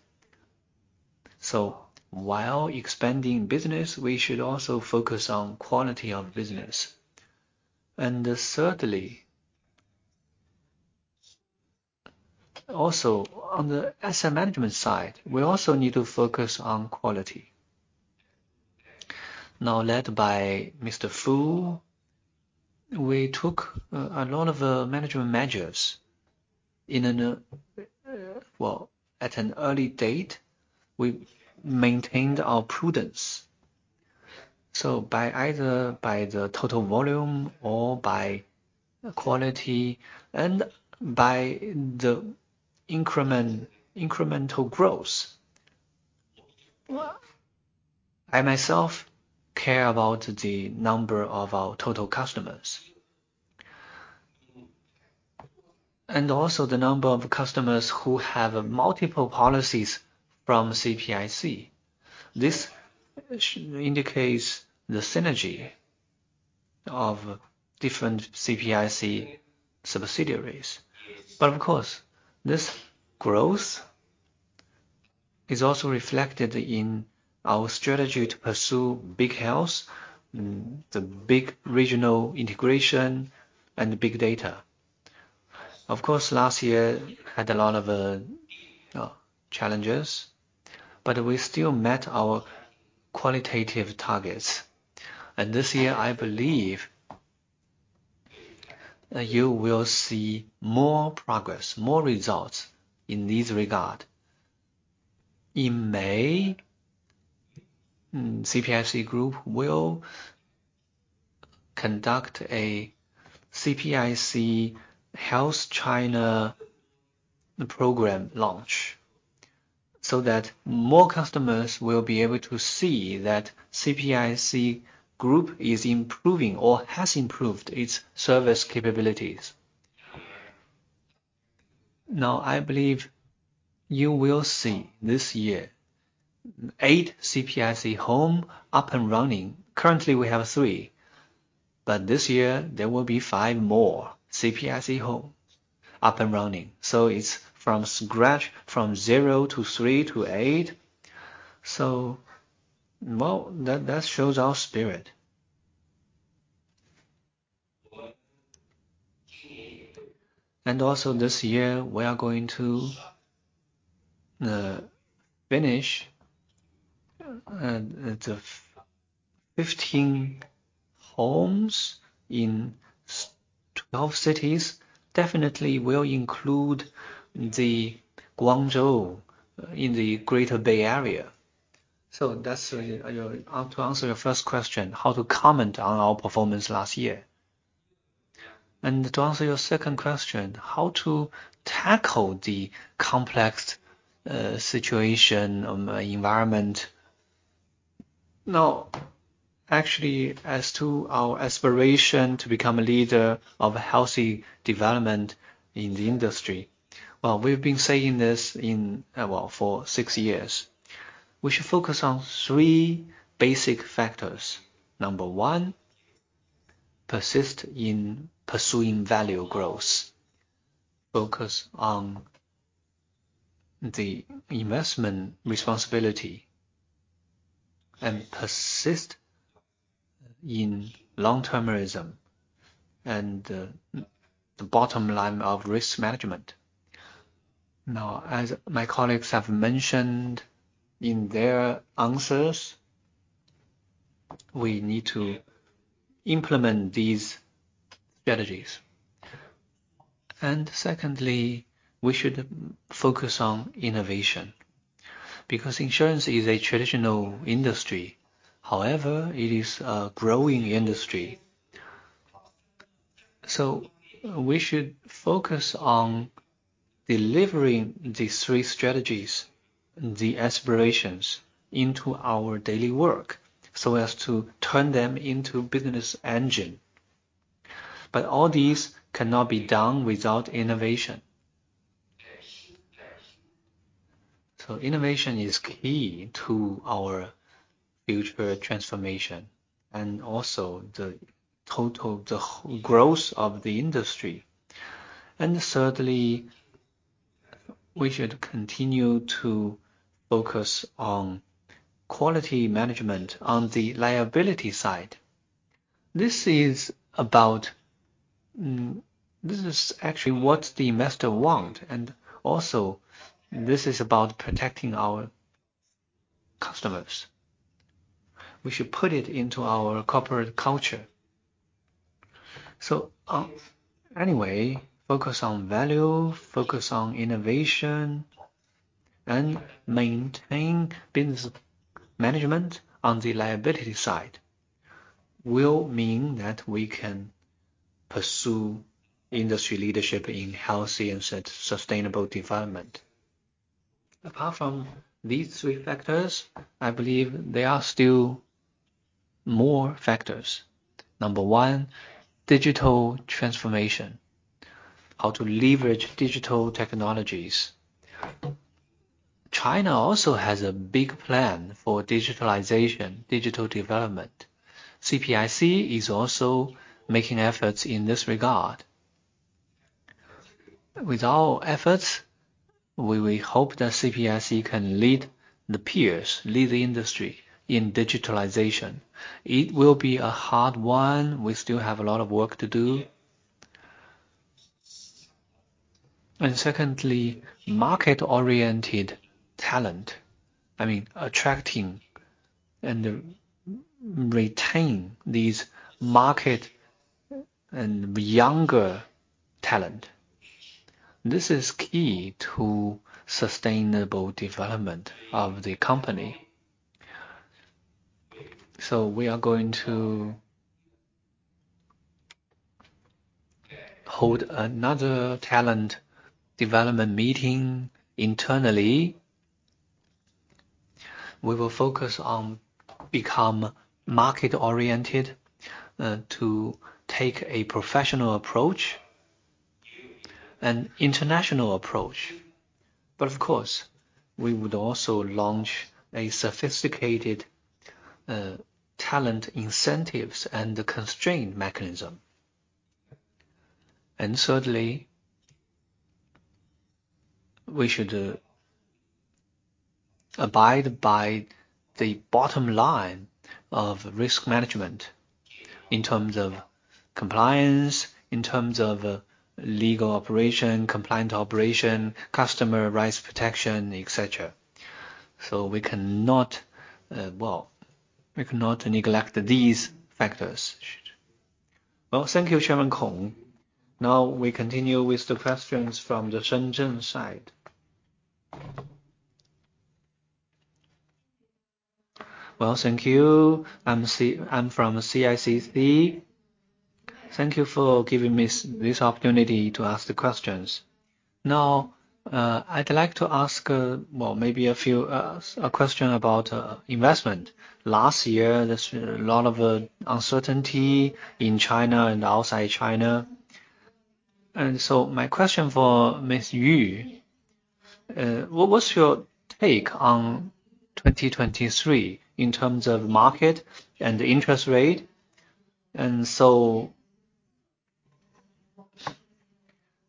While expanding business, we should also focus on quality of business. Thirdly, also on the asset management side, we also need to focus on quality. Led by Mr. Fu, we took a lot of management measures at an early date, we maintained our prudence. By either by the total volume or by quality and by the incremental growth. I myself care about the number of our total customers. Also the number of customers who have multiple policies from CPIC. This indicates the synergy of different CPIC subsidiaries. Of course, this growth is also reflected in our strategy to pursue big health, the big regional integration and big data. Of course, last year had a lot of challenges, but we still met our qualitative targets. This year, I believe you will see more progress, more results in this regard. In May, CPIC Group will conduct a CPIC Health China program launch so that more customers will be able to see that CPIC Group is improving or has improved its service capabilities. Now, I believe you will see this year 8 CPIC Home up and running. Currently, we have 3, but this year there will be 5 more CPIC Home up and running. It's from scratch, from zero to three to eight. Well, that shows our spirit. This year we are going to finish the 15 homes in 12 cities. Definitely will include the Guangzhou in the Greater Bay Area. That's to answer your first question, how to comment on our performance last year. To answer your second question, how to tackle the complex situation on the environment. Actually, as to our aspiration to become a leader of healthy development in the industry. Well, we've been saying this in, well, for six years. We should focus on three basic factors. Number one, persist in pursuing value growth. Focus on the investment responsibility and persist in long-termism and the bottom line of risk management. As my colleagues have mentioned in their answers, we need to implement these strategies. Secondly, we should focus on innovation because insurance is a traditional industry. It is a growing industry. We should focus on delivering these three strategies, the aspirations into our daily work so as to turn them into business engine. All these cannot be done without innovation. Innovation is key to our future transformation and also the growth of the industry. Thirdly, we should continue to focus on quality management on the liability side. This is about, this is actually what the investor want, and also this is about protecting our customers. We should put it into our corporate culture. Anyway, focus on value, focus on innovation, and maintain business management on the liability side will mean that we can pursue industry leadership in healthy and sustainable development. Apart from these three factors, I believe there are still more factors. Number one, digital transformation. How to leverage digital technologies. China also has a big plan for digitalization, digital development. CPIC is also making efforts in this regard. With our efforts, we will hope that CPIC can lead the peers, lead the industry in digitalization. It will be a hard one. We still have a lot of work to do. Secondly, market-oriented talent. I mean, attracting and retain these market and younger talent. This is key to sustainable development of the company. We are going to hold another talent development meeting internally. We will focus on become market-oriented to take a professional approach, an international approach. Of course, we would also launch a sophisticated talent incentives and constraint mechanism. Thirdly, we should abide by the bottom line of risk management in terms of compliance, in terms of legal operation, compliant operation, customer rights protection, etc. We cannot, well, we cannot neglect these factors. Well, thank you, Chairman Kong. We continue with the questions from the Shenzhen side. Well, thank you. I'm from CICC. Thank you for giving me this opportunity to ask the questions. I'd like to ask, well, maybe a few, a question about investment. Last year, there's a lot of uncertainty in China and outside China. My question for Mr. Yu, what was your take on 2023 in terms of market and interest rate?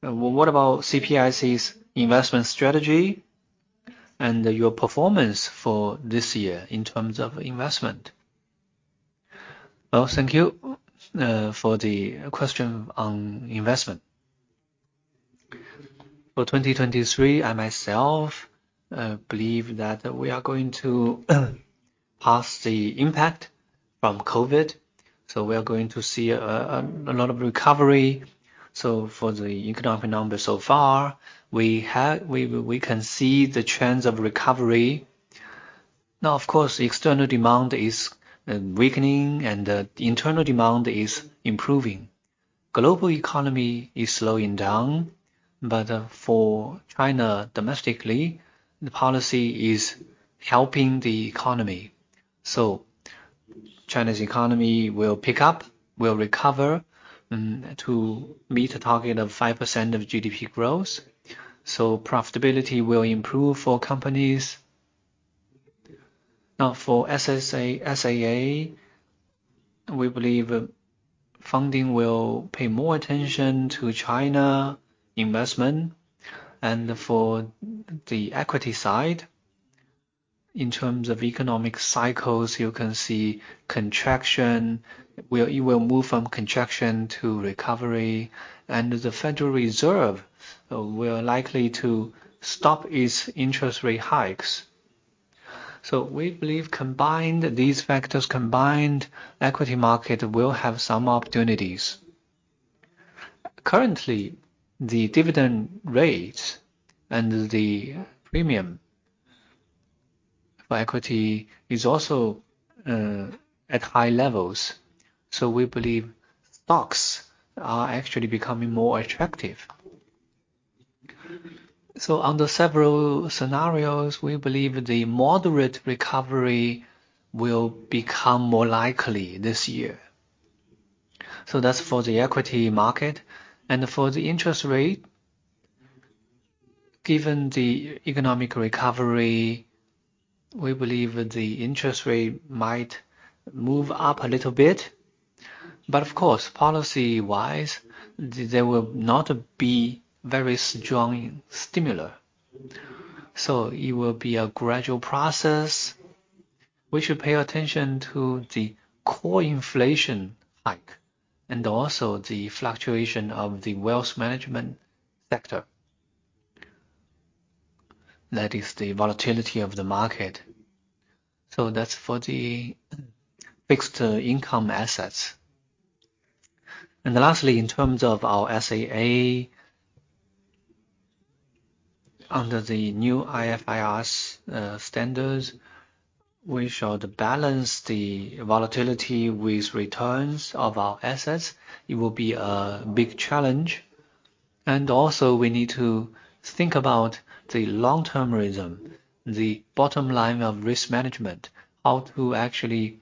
What about CPIC's investment strategy and your performance for this year in terms of investment? Well, thank you for the question on investment. For 2023, I myself believe that we are going to pass the impact from COVID, we are going to see a lot of recovery. For the economic number so far, we can see the trends of recovery. Of course, the external demand is weakening and the internal demand is improving. Global economy is slowing down, but for China domestically, the policy is helping the economy. China's economy will pick up, will recover to meet a target of 5% of GDP growth. Profitability will improve for companies. For SSA, SAA, we believe funding will pay more attention to China investment. For the equity side, in terms of economic cycles, you can see contraction. It will move from contraction to recovery, the Federal Reserve will likely to stop its interest rate hikes. We believe combined, these factors combined, equity market will have some opportunities. Currently, the dividend rates and the premium for equity is also at high levels. We believe stocks are actually becoming more attractive. Under several scenarios, we believe the moderate recovery will become more likely this year. That's for the equity market. For the interest rate, given the economic recovery, we believe the interest rate might move up a little bit. Of course, policy-wise, there will not be very strong stimulator. It will be a gradual process. We should pay attention to the core inflation hike and also the fluctuation of the wealth management sector. That is the volatility of the market. That's for the fixed income assets. Lastly, in terms of our SAA, under the new IFRS standards, we should balance the volatility with returns of our assets. It will be a big challenge. Also, we need to think about the long-termism, the bottom line of risk management, how to actually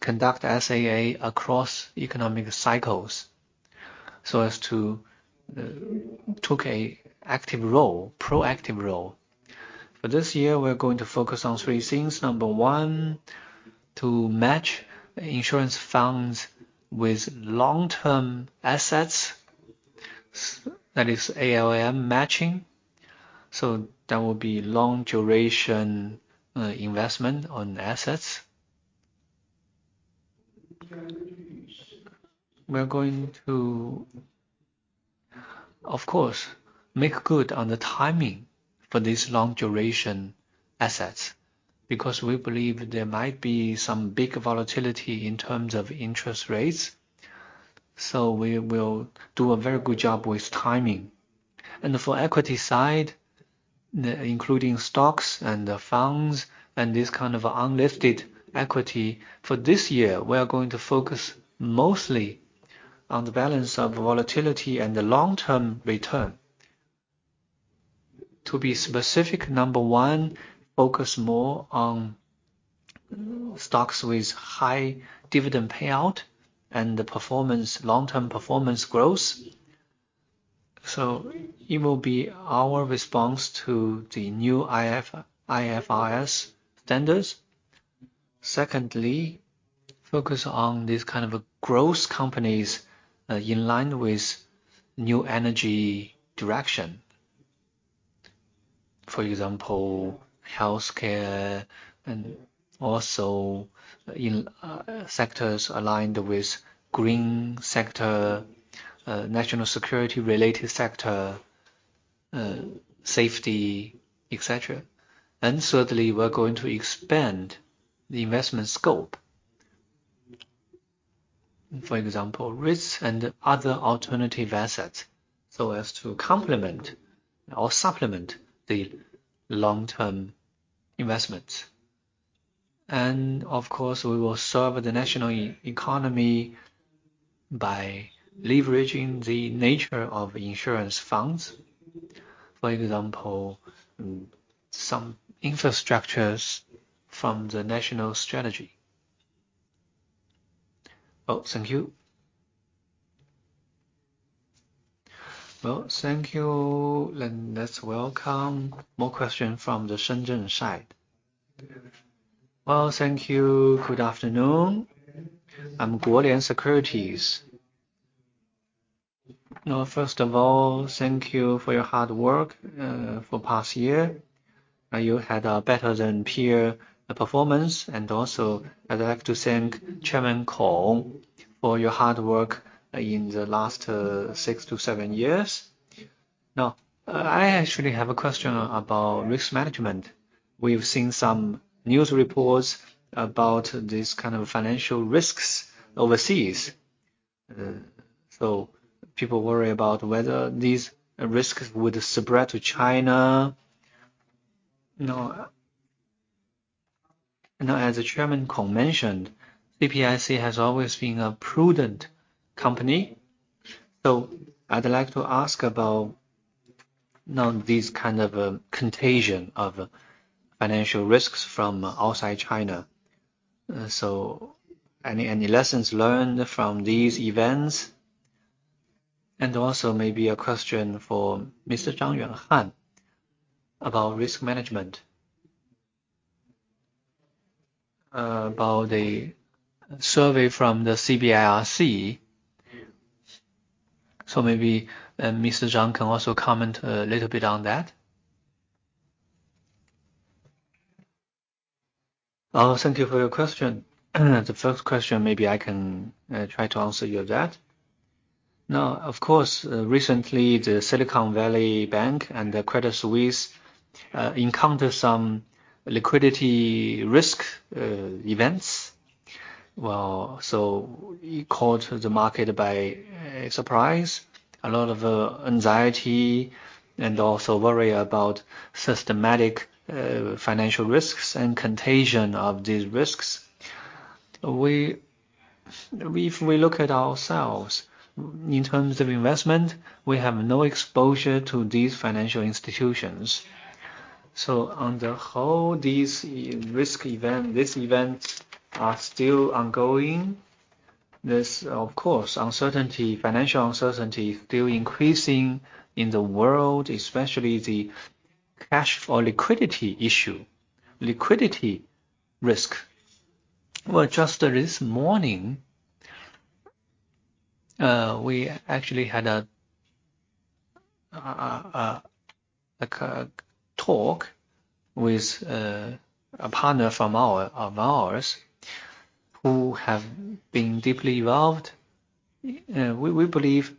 conduct SAA across economic cycles. As to took a active role, proactive role. This year, we're going to focus on three things. Number one, to match insurance funds with long-term assets. That is ALM matching, so that will be long duration investment on assets. We're going to, of course, make good on the timing for these long duration assets, because we believe there might be some big volatility in terms of interest rates. We will do a very good job with timing. For equity side, including stocks and the funds and this kind of unlisted equity, for this year, we are going to focus mostly on the balance of volatility and the long-term return. To be specific, number one, focus more on stocks with high dividend payout and the performance, long-term performance growth. It will be our response to the new IFRS standards. Secondly, focus on this kind of growth companies in line with new energy direction. For example, healthcare and also in sectors aligned with green sector, national security related sector, safety, et cetera. Thirdly, we're going to expand the investment scope. For example, risks and other alternative assets, so as to complement or supplement the long-term investments. Of course, we will serve the national e-economy by leveraging the nature of insurance funds. For example, some infrastructures from the national strategy. Well, thank you. Well, thank you. Let's welcome more question from the Shenzhen side. Well, thank you. Good afternoon. I'm Guolian Securities. First of all, thank you for your hard work for past year. You had a better than peer performance, and also I'd like to thank Chairman Kong for your hard work in the last six to seven years. Now, I actually have a question about risk management. We've seen some news reports about this kind of financial risks overseas. People worry about whether these risks would spread to China. Now, as Chairman Kong mentioned, CPIC has always been a prudent company. I'd like to ask about now this kind of contagion of financial risks from outside China. Any lessons learned from these events? Also maybe a question for Mr. Zhang Yuanhan about risk management, about the survey from the CBIRC. Maybe Mr. Zhang can also comment a little bit on that. Thank you for your question. The first question, maybe I can try to answer you that. Now, of course, recently the Silicon Valley Bank and the Credit Suisse encountered some liquidity risk events. Well, it caught the market by surprise, a lot of anxiety and also worry about systematic financial risks and contagion of these risks. We, if we look at ourselves, in terms of investment, we have no exposure to these financial institutions. On the whole, these events are still ongoing. There's, of course, uncertainty, financial uncertainty still increasing in the world, especially the cash or liquidity issue, liquidity risk. Well, just this morning, we actually had a talk with a partner of ours who have been deeply involved. We believe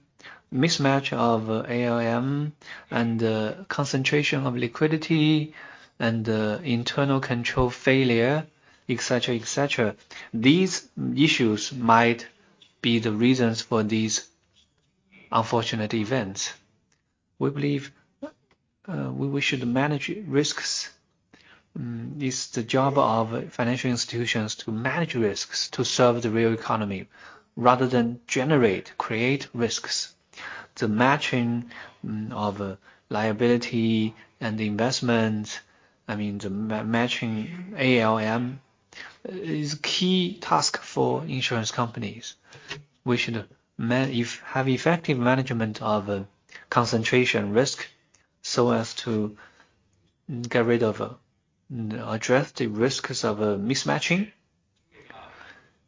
mismatch of ALM and the concentration of liquidity and the internal control failure, et cetera, et cetera, these issues might be the reasons for these unfortunate events. We believe we should manage risks. It's the job of financial institutions to manage risks to serve the real economy rather than generate, create risks. The matching of liability and investment, I mean, the matching ALM is key task for insurance companies. We should have effective management of concentration risk so as to get rid of, address the risks of a mismatching.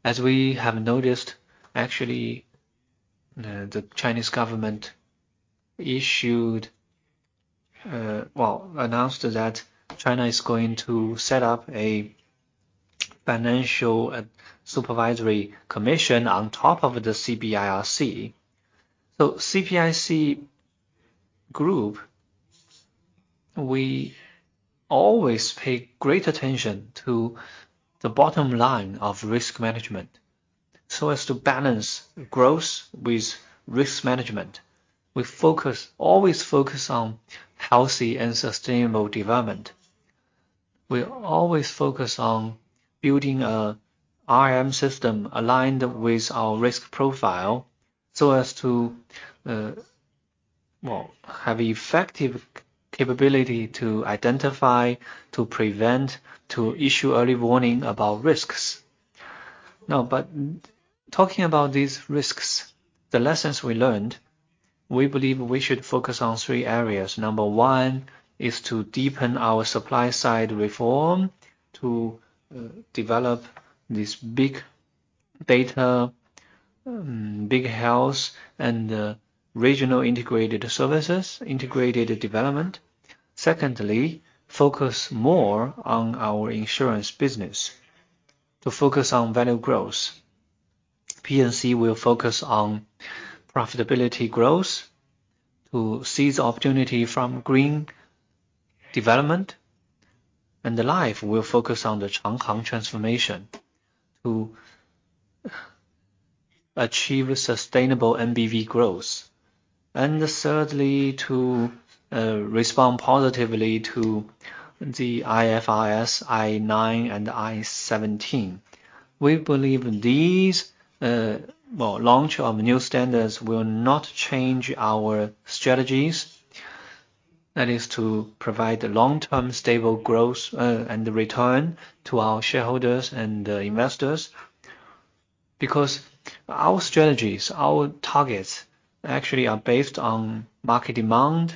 As we have noticed, actually, well, announced that China is going to set up a financial supervisory commission on top of the CBIRC. CPIC Group, we always pay great attention to the bottom line of risk management so as to balance growth with risk management. We always focus on healthy and sustainable development. We always focus on building a RM system aligned with our risk profile so as to, well, have effective capability to identify, to prevent, to issue early warning about risks. Talking about these risks, the lessons we learned, we believe we should focus on three areas. Number one is to deepen our supply side reform to develop this big data, big health and regional integrated services, integrated development. Secondly, focus more on our insurance business to focus on value growth. P&C will focus on profitability growth to seize the opportunity from green development. The Life will focus on the Changhang Transformation to achieve sustainable NBV growth. Thirdly, to respond positively to the IFRS 9 and IFRS 17. We believe these, well, launch of new standards will not change our strategies. That is to provide the long-term stable growth and the return to our shareholders and investors. Our strategies, our targets actually are based on market demand,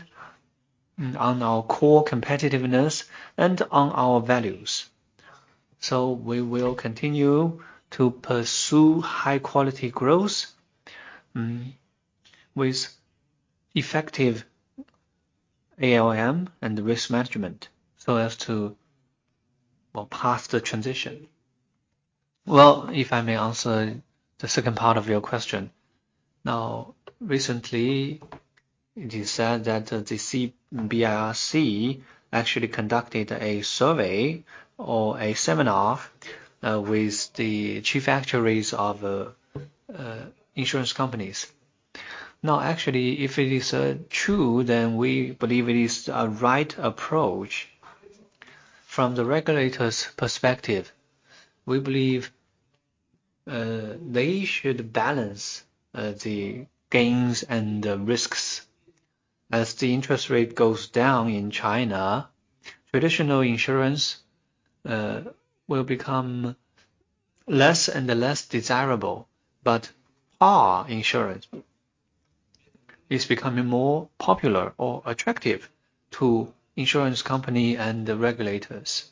on our core competitiveness, and on our values. We will continue to pursue high quality growth with effective ALM and risk management so as to, well, pass the transition. Well, if I may answer the second part of your question. Now, recently, it is said that the CBIRC actually conducted a survey or a seminar with the chief actuaries of insurance companies. Actually if it is true, we believe it is a right approach. From the regulator's perspective, we believe they should balance the gains and the risks. As the interest rate goes down in China, traditional insurance will become less and less desirable. Our insurance is becoming more popular or attractive to insurance company and the regulators.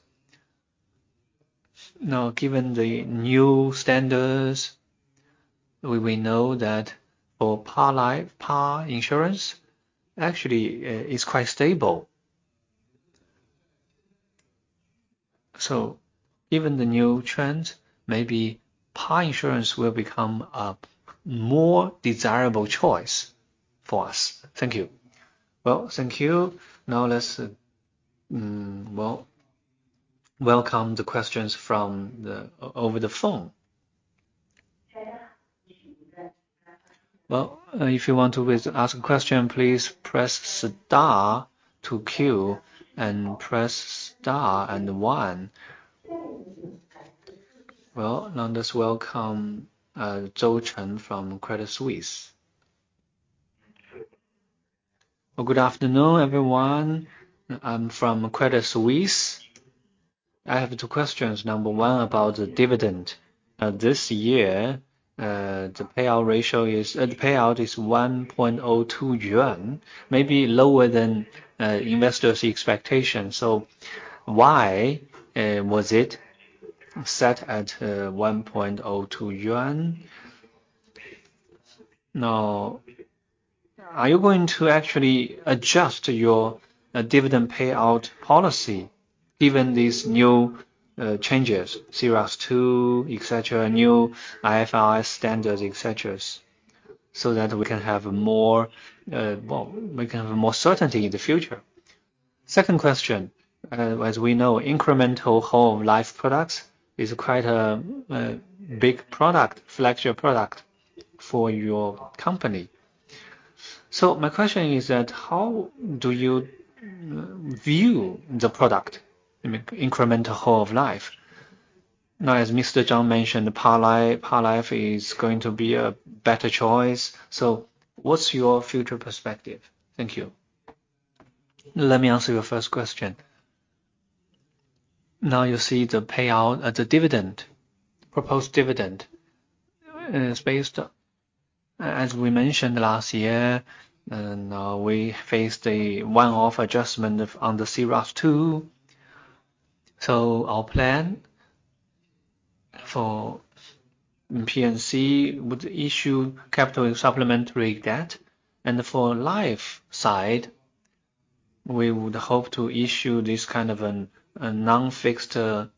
Given the new standards, we will know that for Par insurance actually is quite stable. Given the new trends, maybe Par insurance will become a more desirable choice for us. Thank you. Well, thank you. Let's, well, welcome the questions from over the phone. Well, if you want to ask a question, please press star to queue and press star and one. Well, let's welcome Zhou Ziran from Credit Suisse. Well, good afternoon, everyone. I'm from Credit Suisse. I have two questions. Number one about the dividend. This year, the payout ratio is the payout is 1.02 yuan, maybe lower than investors' expectation. Why was it set at 1.02 yuan? Are you going to actually adjust your dividend payout policy given these new changes, C-ROSS II, et cetera, new IFRS standards, et cetera, so that we can have more, well, we can have more certainty in the future? Second question. As we know, incremental whole life products is quite a big product, flagship product for your company. My question is that how do you view the product, incremental whole life? As Mr. Zhang mentioned, Par Life is going to be a better choice. What's your future perspective? Thank you. Let me answer your first question. You see the payout at the dividend. Proposed dividend is based, as we mentioned last year, we face the one-off adjustment of, on the C-ROSS II. Our plan for CPIC P&C would issue capital supplementary debt, for CPIC Life, we would hope to issue this kind of an, a non-fixed, well,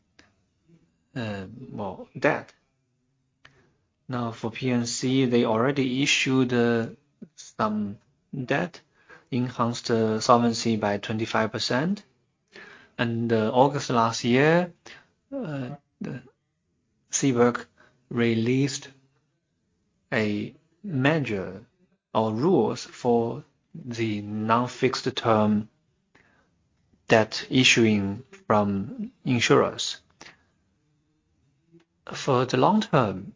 debt. For CPIC P&C, they already issued some debt, enhanced solvency by 25%. August last year, the CBIRC released a measure or rules for the non-fixed term debt issuing from insurers. For the long term,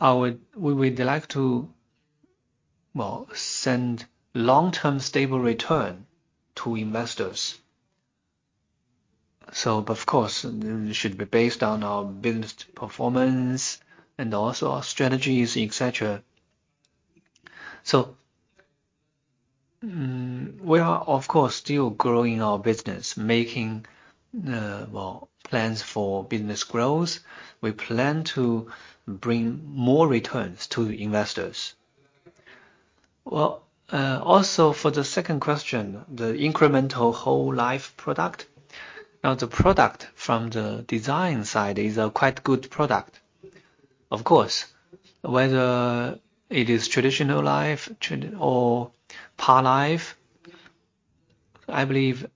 we would like to, well, send long-term stable return to investors. Of course, it should be based on our business performance and also our strategies, etc. We are, of course, still growing our business, making, well, plans for business growth. We plan to bring more returns to investors. Well, also for the second question, the incremental whole life product. Now, the product from the design side is a quite good product. Of course, whether it is traditional life, or Par Life, I believe.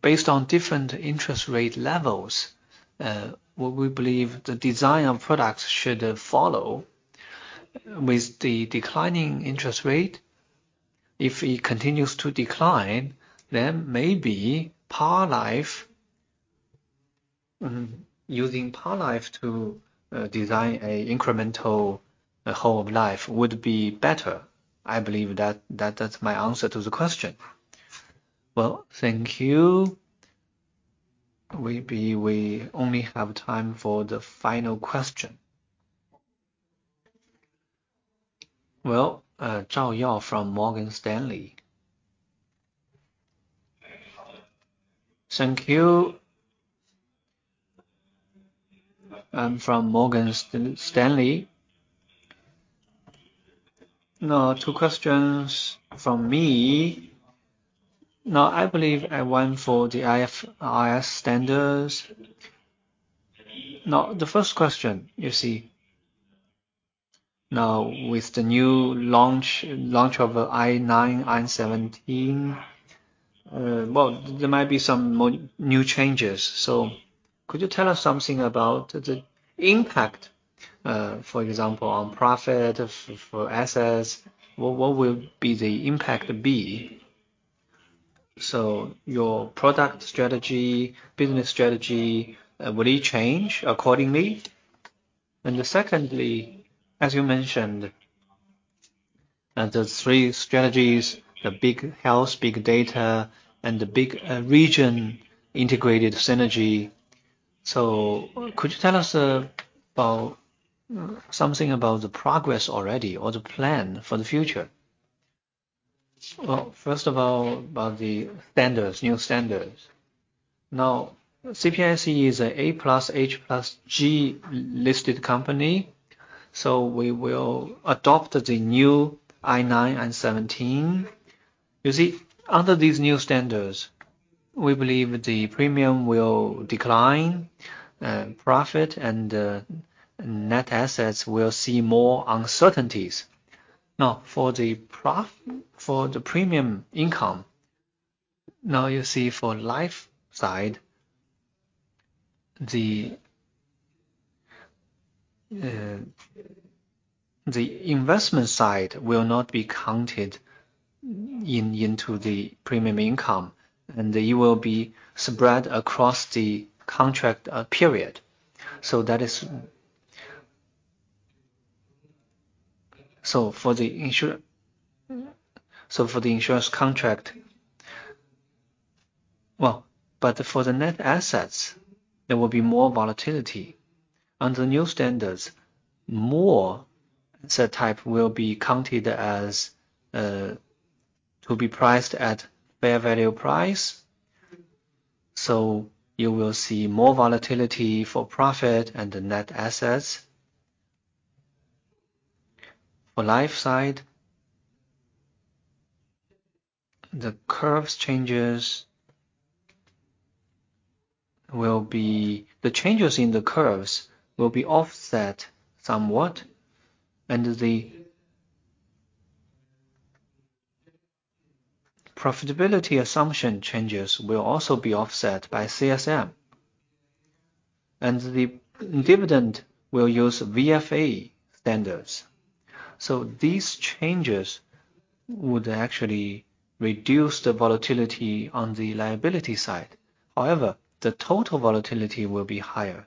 Based on different interest rate levels, we believe the design of products should follow with the declining interest rate. If it continues to decline, then maybe Par Life, using Par Life to design an incremental whole life would be better. I believe that's my answer to the question. Well, thank you. We only have time for the final question. Well, Zhao Yao from Morgan Stanley. Thank you. I'm from Morgan Stanley. Now, two questions from me. Now, I believe I went for the IFRS standards. Now, the first question you see. With the new launch of IFRS 9, IFRS 17, well, there might be some more new changes. Could you tell us something about the impact, for example, on profit, for assets, what will be the impact be? Your product strategy, business strategy, will it change accordingly? Secondly, as you mentioned, the three strategies, the big health, big data, and the big region integrated synergy. Could you tell us something about the progress already or the plan for the future? First of all, about the standards, new standards. CPIC is a A Plus H Plus G listed company, we will adopt the new IFRS 9 and IFRS 17. Under these new standards, we believe the premium will decline, profit and net assets will see more uncertainties. For the premium income. You see for Life side, the investment side will not be counted into the premium income, it will be spread across the contract period. For the insurance contract. For the net assets, there will be more volatility. Under new standards, more set type will be counted as to be priced at fair value price. You will see more volatility for profit and the net assets. For Life side, the changes in the curves will be offset somewhat. The profitability assumption changes will also be offset by CSM. The dividend will use VFA standards. These changes would actually reduce the volatility on the liability side. However, the total volatility will be higher.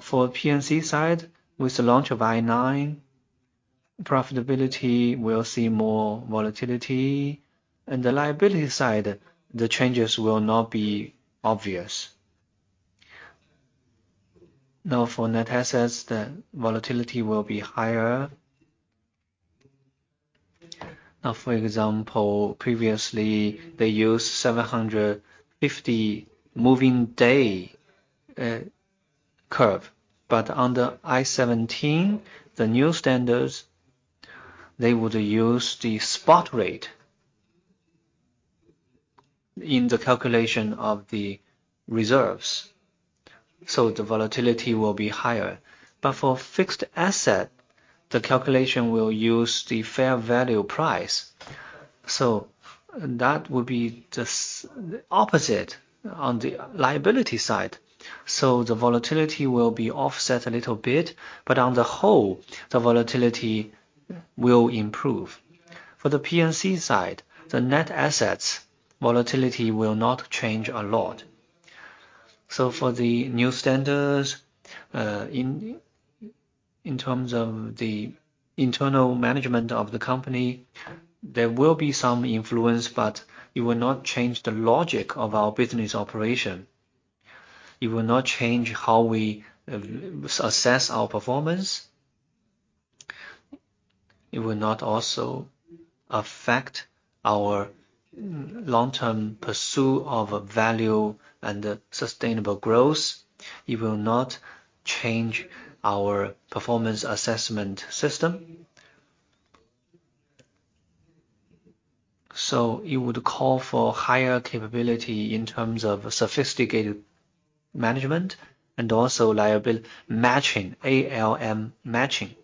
For P&C side, with the launch of IFRS 9, profitability will see more volatility. In the liability side, the changes will not be obvious. For net assets, the volatility will be higher. For example, previously they used 750 moving day curve, under IFRS 17, the new standards, they would use the spot rate in the calculation of the reserves, the volatility will be higher. For fixed asset, the calculation will use the fair value price, that would be just opposite on the liability side. The volatility will be offset a little bit, on the whole, the volatility will improve. For the P&C side, the net assets volatility will not change a lot. For the new standards, in terms of the internal management of the company, there will be some influence, it will not change the logic of our business operation. It will not change how we assess our performance. It will not also affect our long-term pursuit of value and sustainable growth. It will not change our performance assessment system. It would call for higher capability in terms of sophisticated management and also liability matching, ALM matching.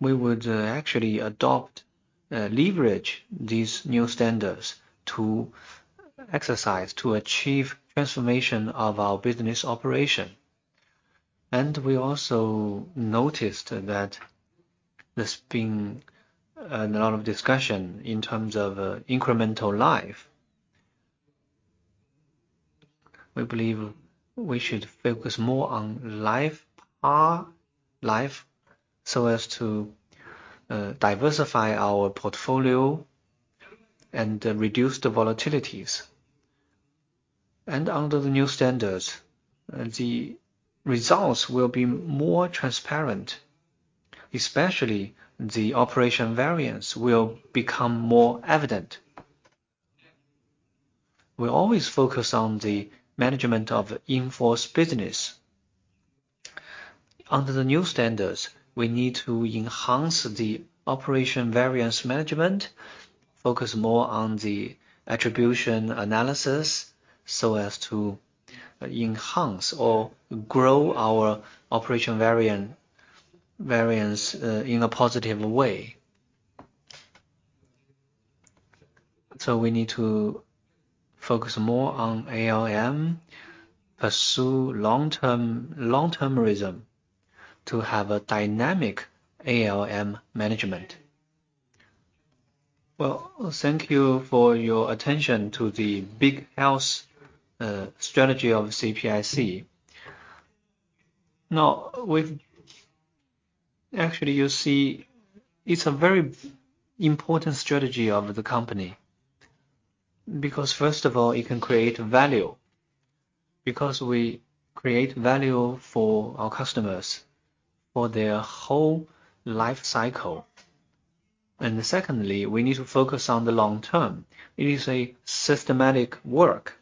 We would actually adopt, leverage these new standards to exercise, to achieve transformation of our business operation. We also noticed that there's been a lot of discussion in terms of, incremental life. We believe we should focus more on life, our life, so as to, diversify our portfolio and reduce the volatilities. Under the new standards, the results will be more transparent, especially the operation variance will become more evident. We always focus on the management of in-force business. Under the new standards, we need to enhance the operation variance management, focus more on the attribution analysis, so as to enhance or grow our operation variance in a positive way. We need to focus more on ALM, pursue long-termism to have a dynamic ALM management. Well, thank you for your attention to the Big Health strategy of CPIC. Actually, you see it's a very important strategy of the company because first of all, it can create value because we create value for our customers for their whole life cycle. Secondly, we need to focus on the long term. It is a systematic work,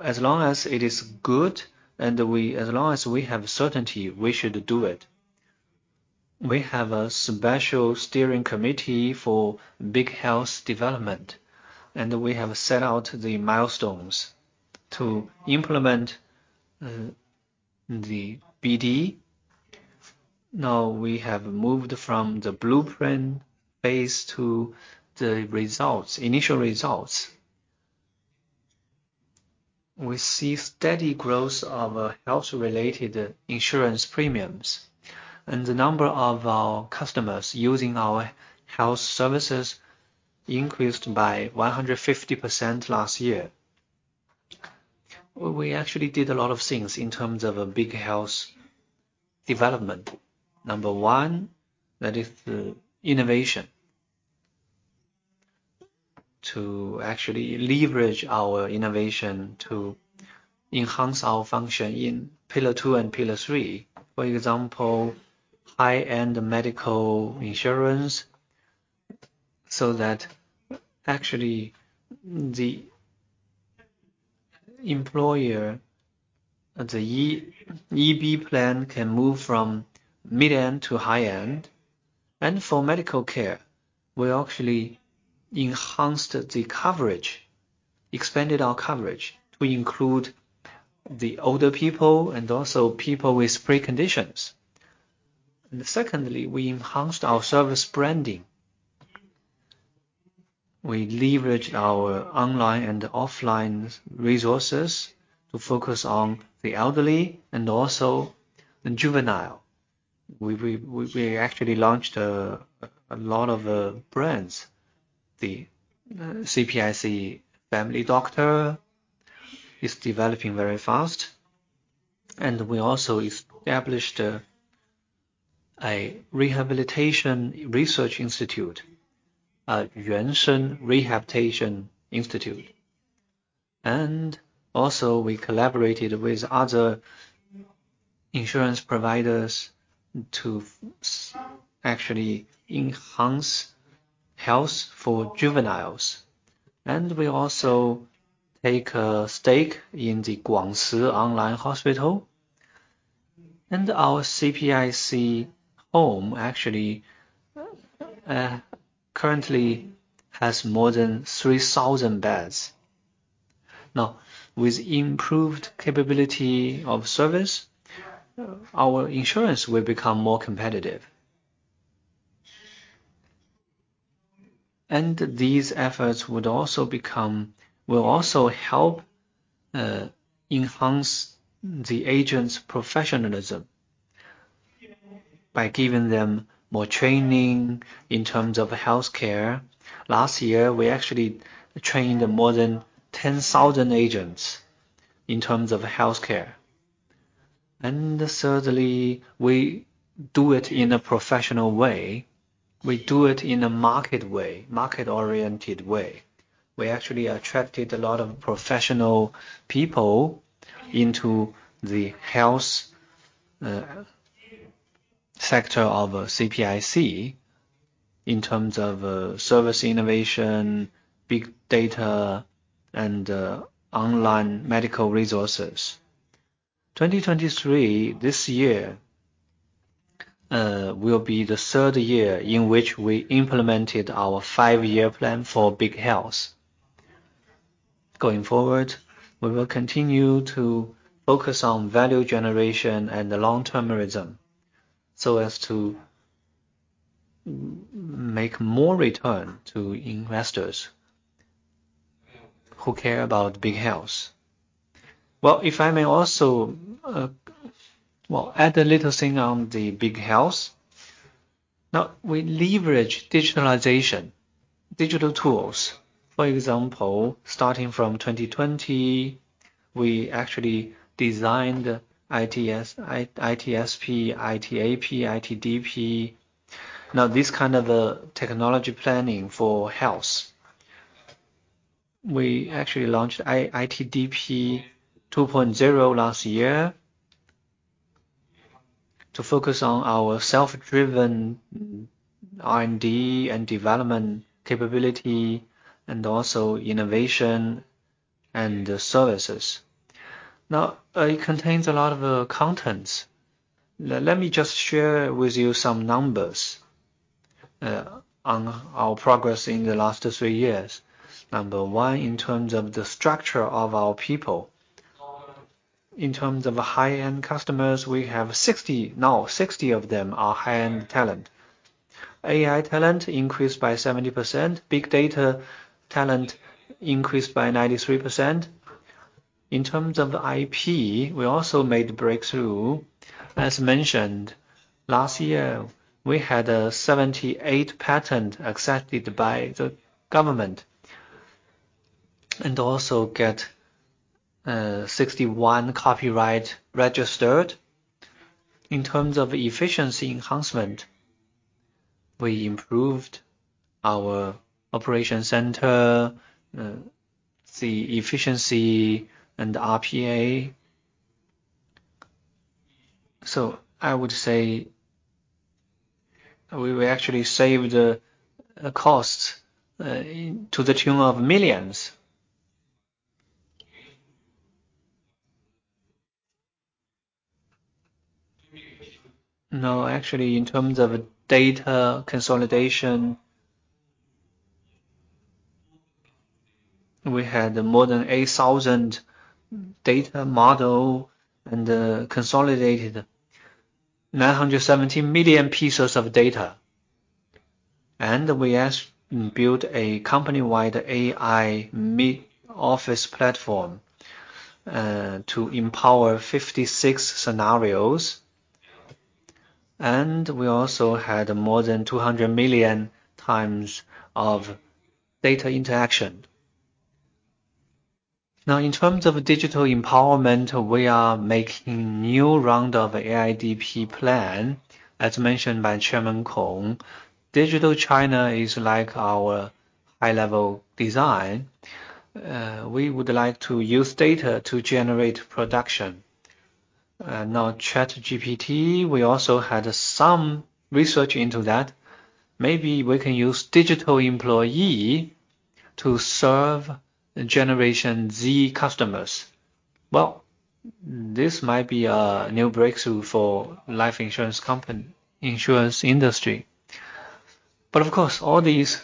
as long as it is good and as long as we have certainty, we should do it. We have a special steering committee for Big Health development, and we have set out the milestones to implement the BD. We have moved from the blueprint phase to the initial results. We see steady growth of health-related insurance premiums, and the number of our customers using our health services increased by 150% last year. We actually did a lot of things in terms of Big Health development. Number one, that is innovation. To actually leverage our innovation to enhance our function in pillar two and pillar three. For example, high-end medical insurance, so that actually the employer, the EB plan can move from mid-end to high-end. For medical care, we actually enhanced the coverage, expanded our coverage to include the older people and also people with pre-conditions. Secondly, we enhanced our service branding. We leverage our online and offline resources to focus on the elderly and also the juvenile. We actually launched a lot of brands. The CPIC Family Doctor is developing very fast, and we also established a rehabilitation research institute, Yuanshen Rehabilitation Institute. Also, we collaborated with other insurance providers to actually enhance health for juveniles. We also take a stake in the Guangci Online Hospital. Our CPIC Home actually currently has more than 3,000 beds. Now, with improved capability of service, our insurance will become more competitive. These efforts will also help enhance the agents' professionalism by giving them more training in terms of healthcare. Last year, we actually trained more than 10,000 agents in terms of healthcare. Thirdly, we do it in a professional way. We do it in a market way, market-oriented way. We actually attracted a lot of professional people into the health sector of CPIC in terms of service innovation, big data, and online medical resources. 2023, this year, will be the third year in which we implemented our five-year plan for big health. Going forward, we will continue to focus on value generation and the long-termism so as to make more return to investors who care about big health. Well, if I may also, well, add a little thing on the big health. We leverage digitalization, digital tools. For example, starting from 2020, we actually designed ITS, ITSP, ITAP, ITDP. This kind of technology planning for health. We actually launched ITDP 2.0 last year to focus on our self-driven R&D and development capability and also innovation and services. It contains a lot of contents. Let me just share with you some numbers on our progress in the last three years. Number one, in terms of the structure of our people. In terms of high-end customers, we have 60 now. 60 of them are high-end talent. AI talent increased by 70%. Big data talent increased by 93%. In terms of IP, we also made breakthrough. As mentioned, last year, we had 78 patent accepted by the government and also get 61 copyright registered. In terms of efficiency enhancement, we improved our operation center, the efficiency and RPA. I would say we actually saved costs to the tune of millions. Actually, in terms of data consolidation, we had more than 8,000 data model and consolidated 970 million pieces of data. We built a company-wide AI office platform to empower 56 scenarios. We also had more than 200 million times of data interaction. In terms of digital empowerment, we are making new round of ITDP plan. As mentioned by Chairman Kong, Digital China is like our high-level design. We would like to use data to generate production. ChatGPT, we also had some research into that. Maybe we can use digital employee to serve Generation Z customers. Well, this might be a new breakthrough for Life Insurance industry. Of course, all these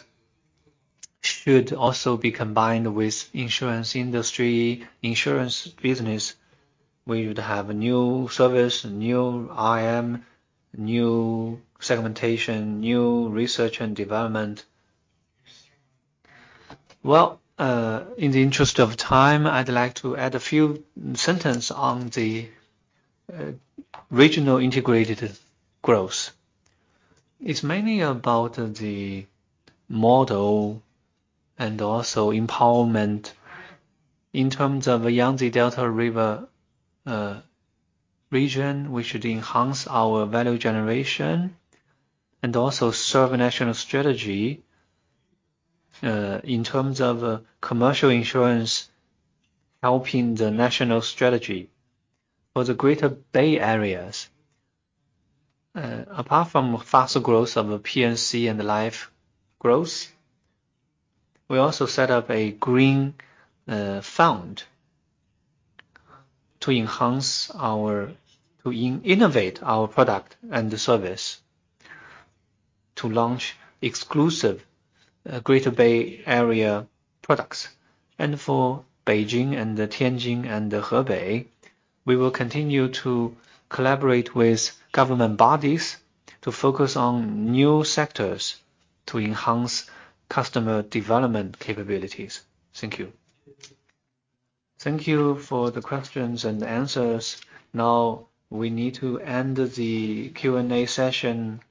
should also be combined with insurance industry, insurance business. We would have a new service, new IM, new segmentation, new research and development. Well, in the interest of time, I'd like to add a few sentence on the regional integrated growth. It's mainly about the model and also empowerment in terms of Yangtze River Delta region, which should enhance our value generation and also serve a national strategy in terms of commercial insurance helping the national strategy. For the Greater Bay Area, apart from faster growth of the P&C and Life growth, we also set up a green fund to innovate our product and the service to launch exclusive Greater Bay Area products. For Beijing-Tianjin-Hebei, we will continue to collaborate with government bodies to focus on new sectors to enhance customer development capabilities. Thank you. Thank you for the questions and answers. Now, we need to end the Q&A session.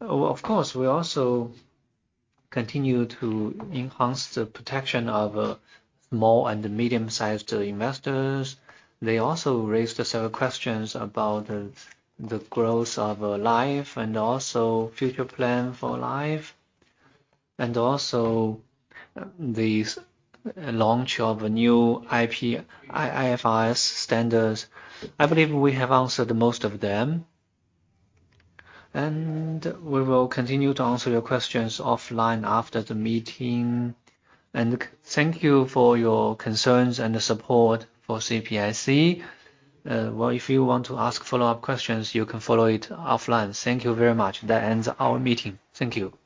Of course, we also continue to enhance the protection of small and medium-sized investors. They also raised several questions about the growth of Life and also future plan for Life, and also the launch of a new IFRS standards. I believe we have answered the most of them, and we will continue to answer your questions offline after the meeting. Thank you for your concerns and the support for CPIC. If you want to ask follow-up questions, you can follow it offline. Thank you very much. That ends our meeting. Thank you.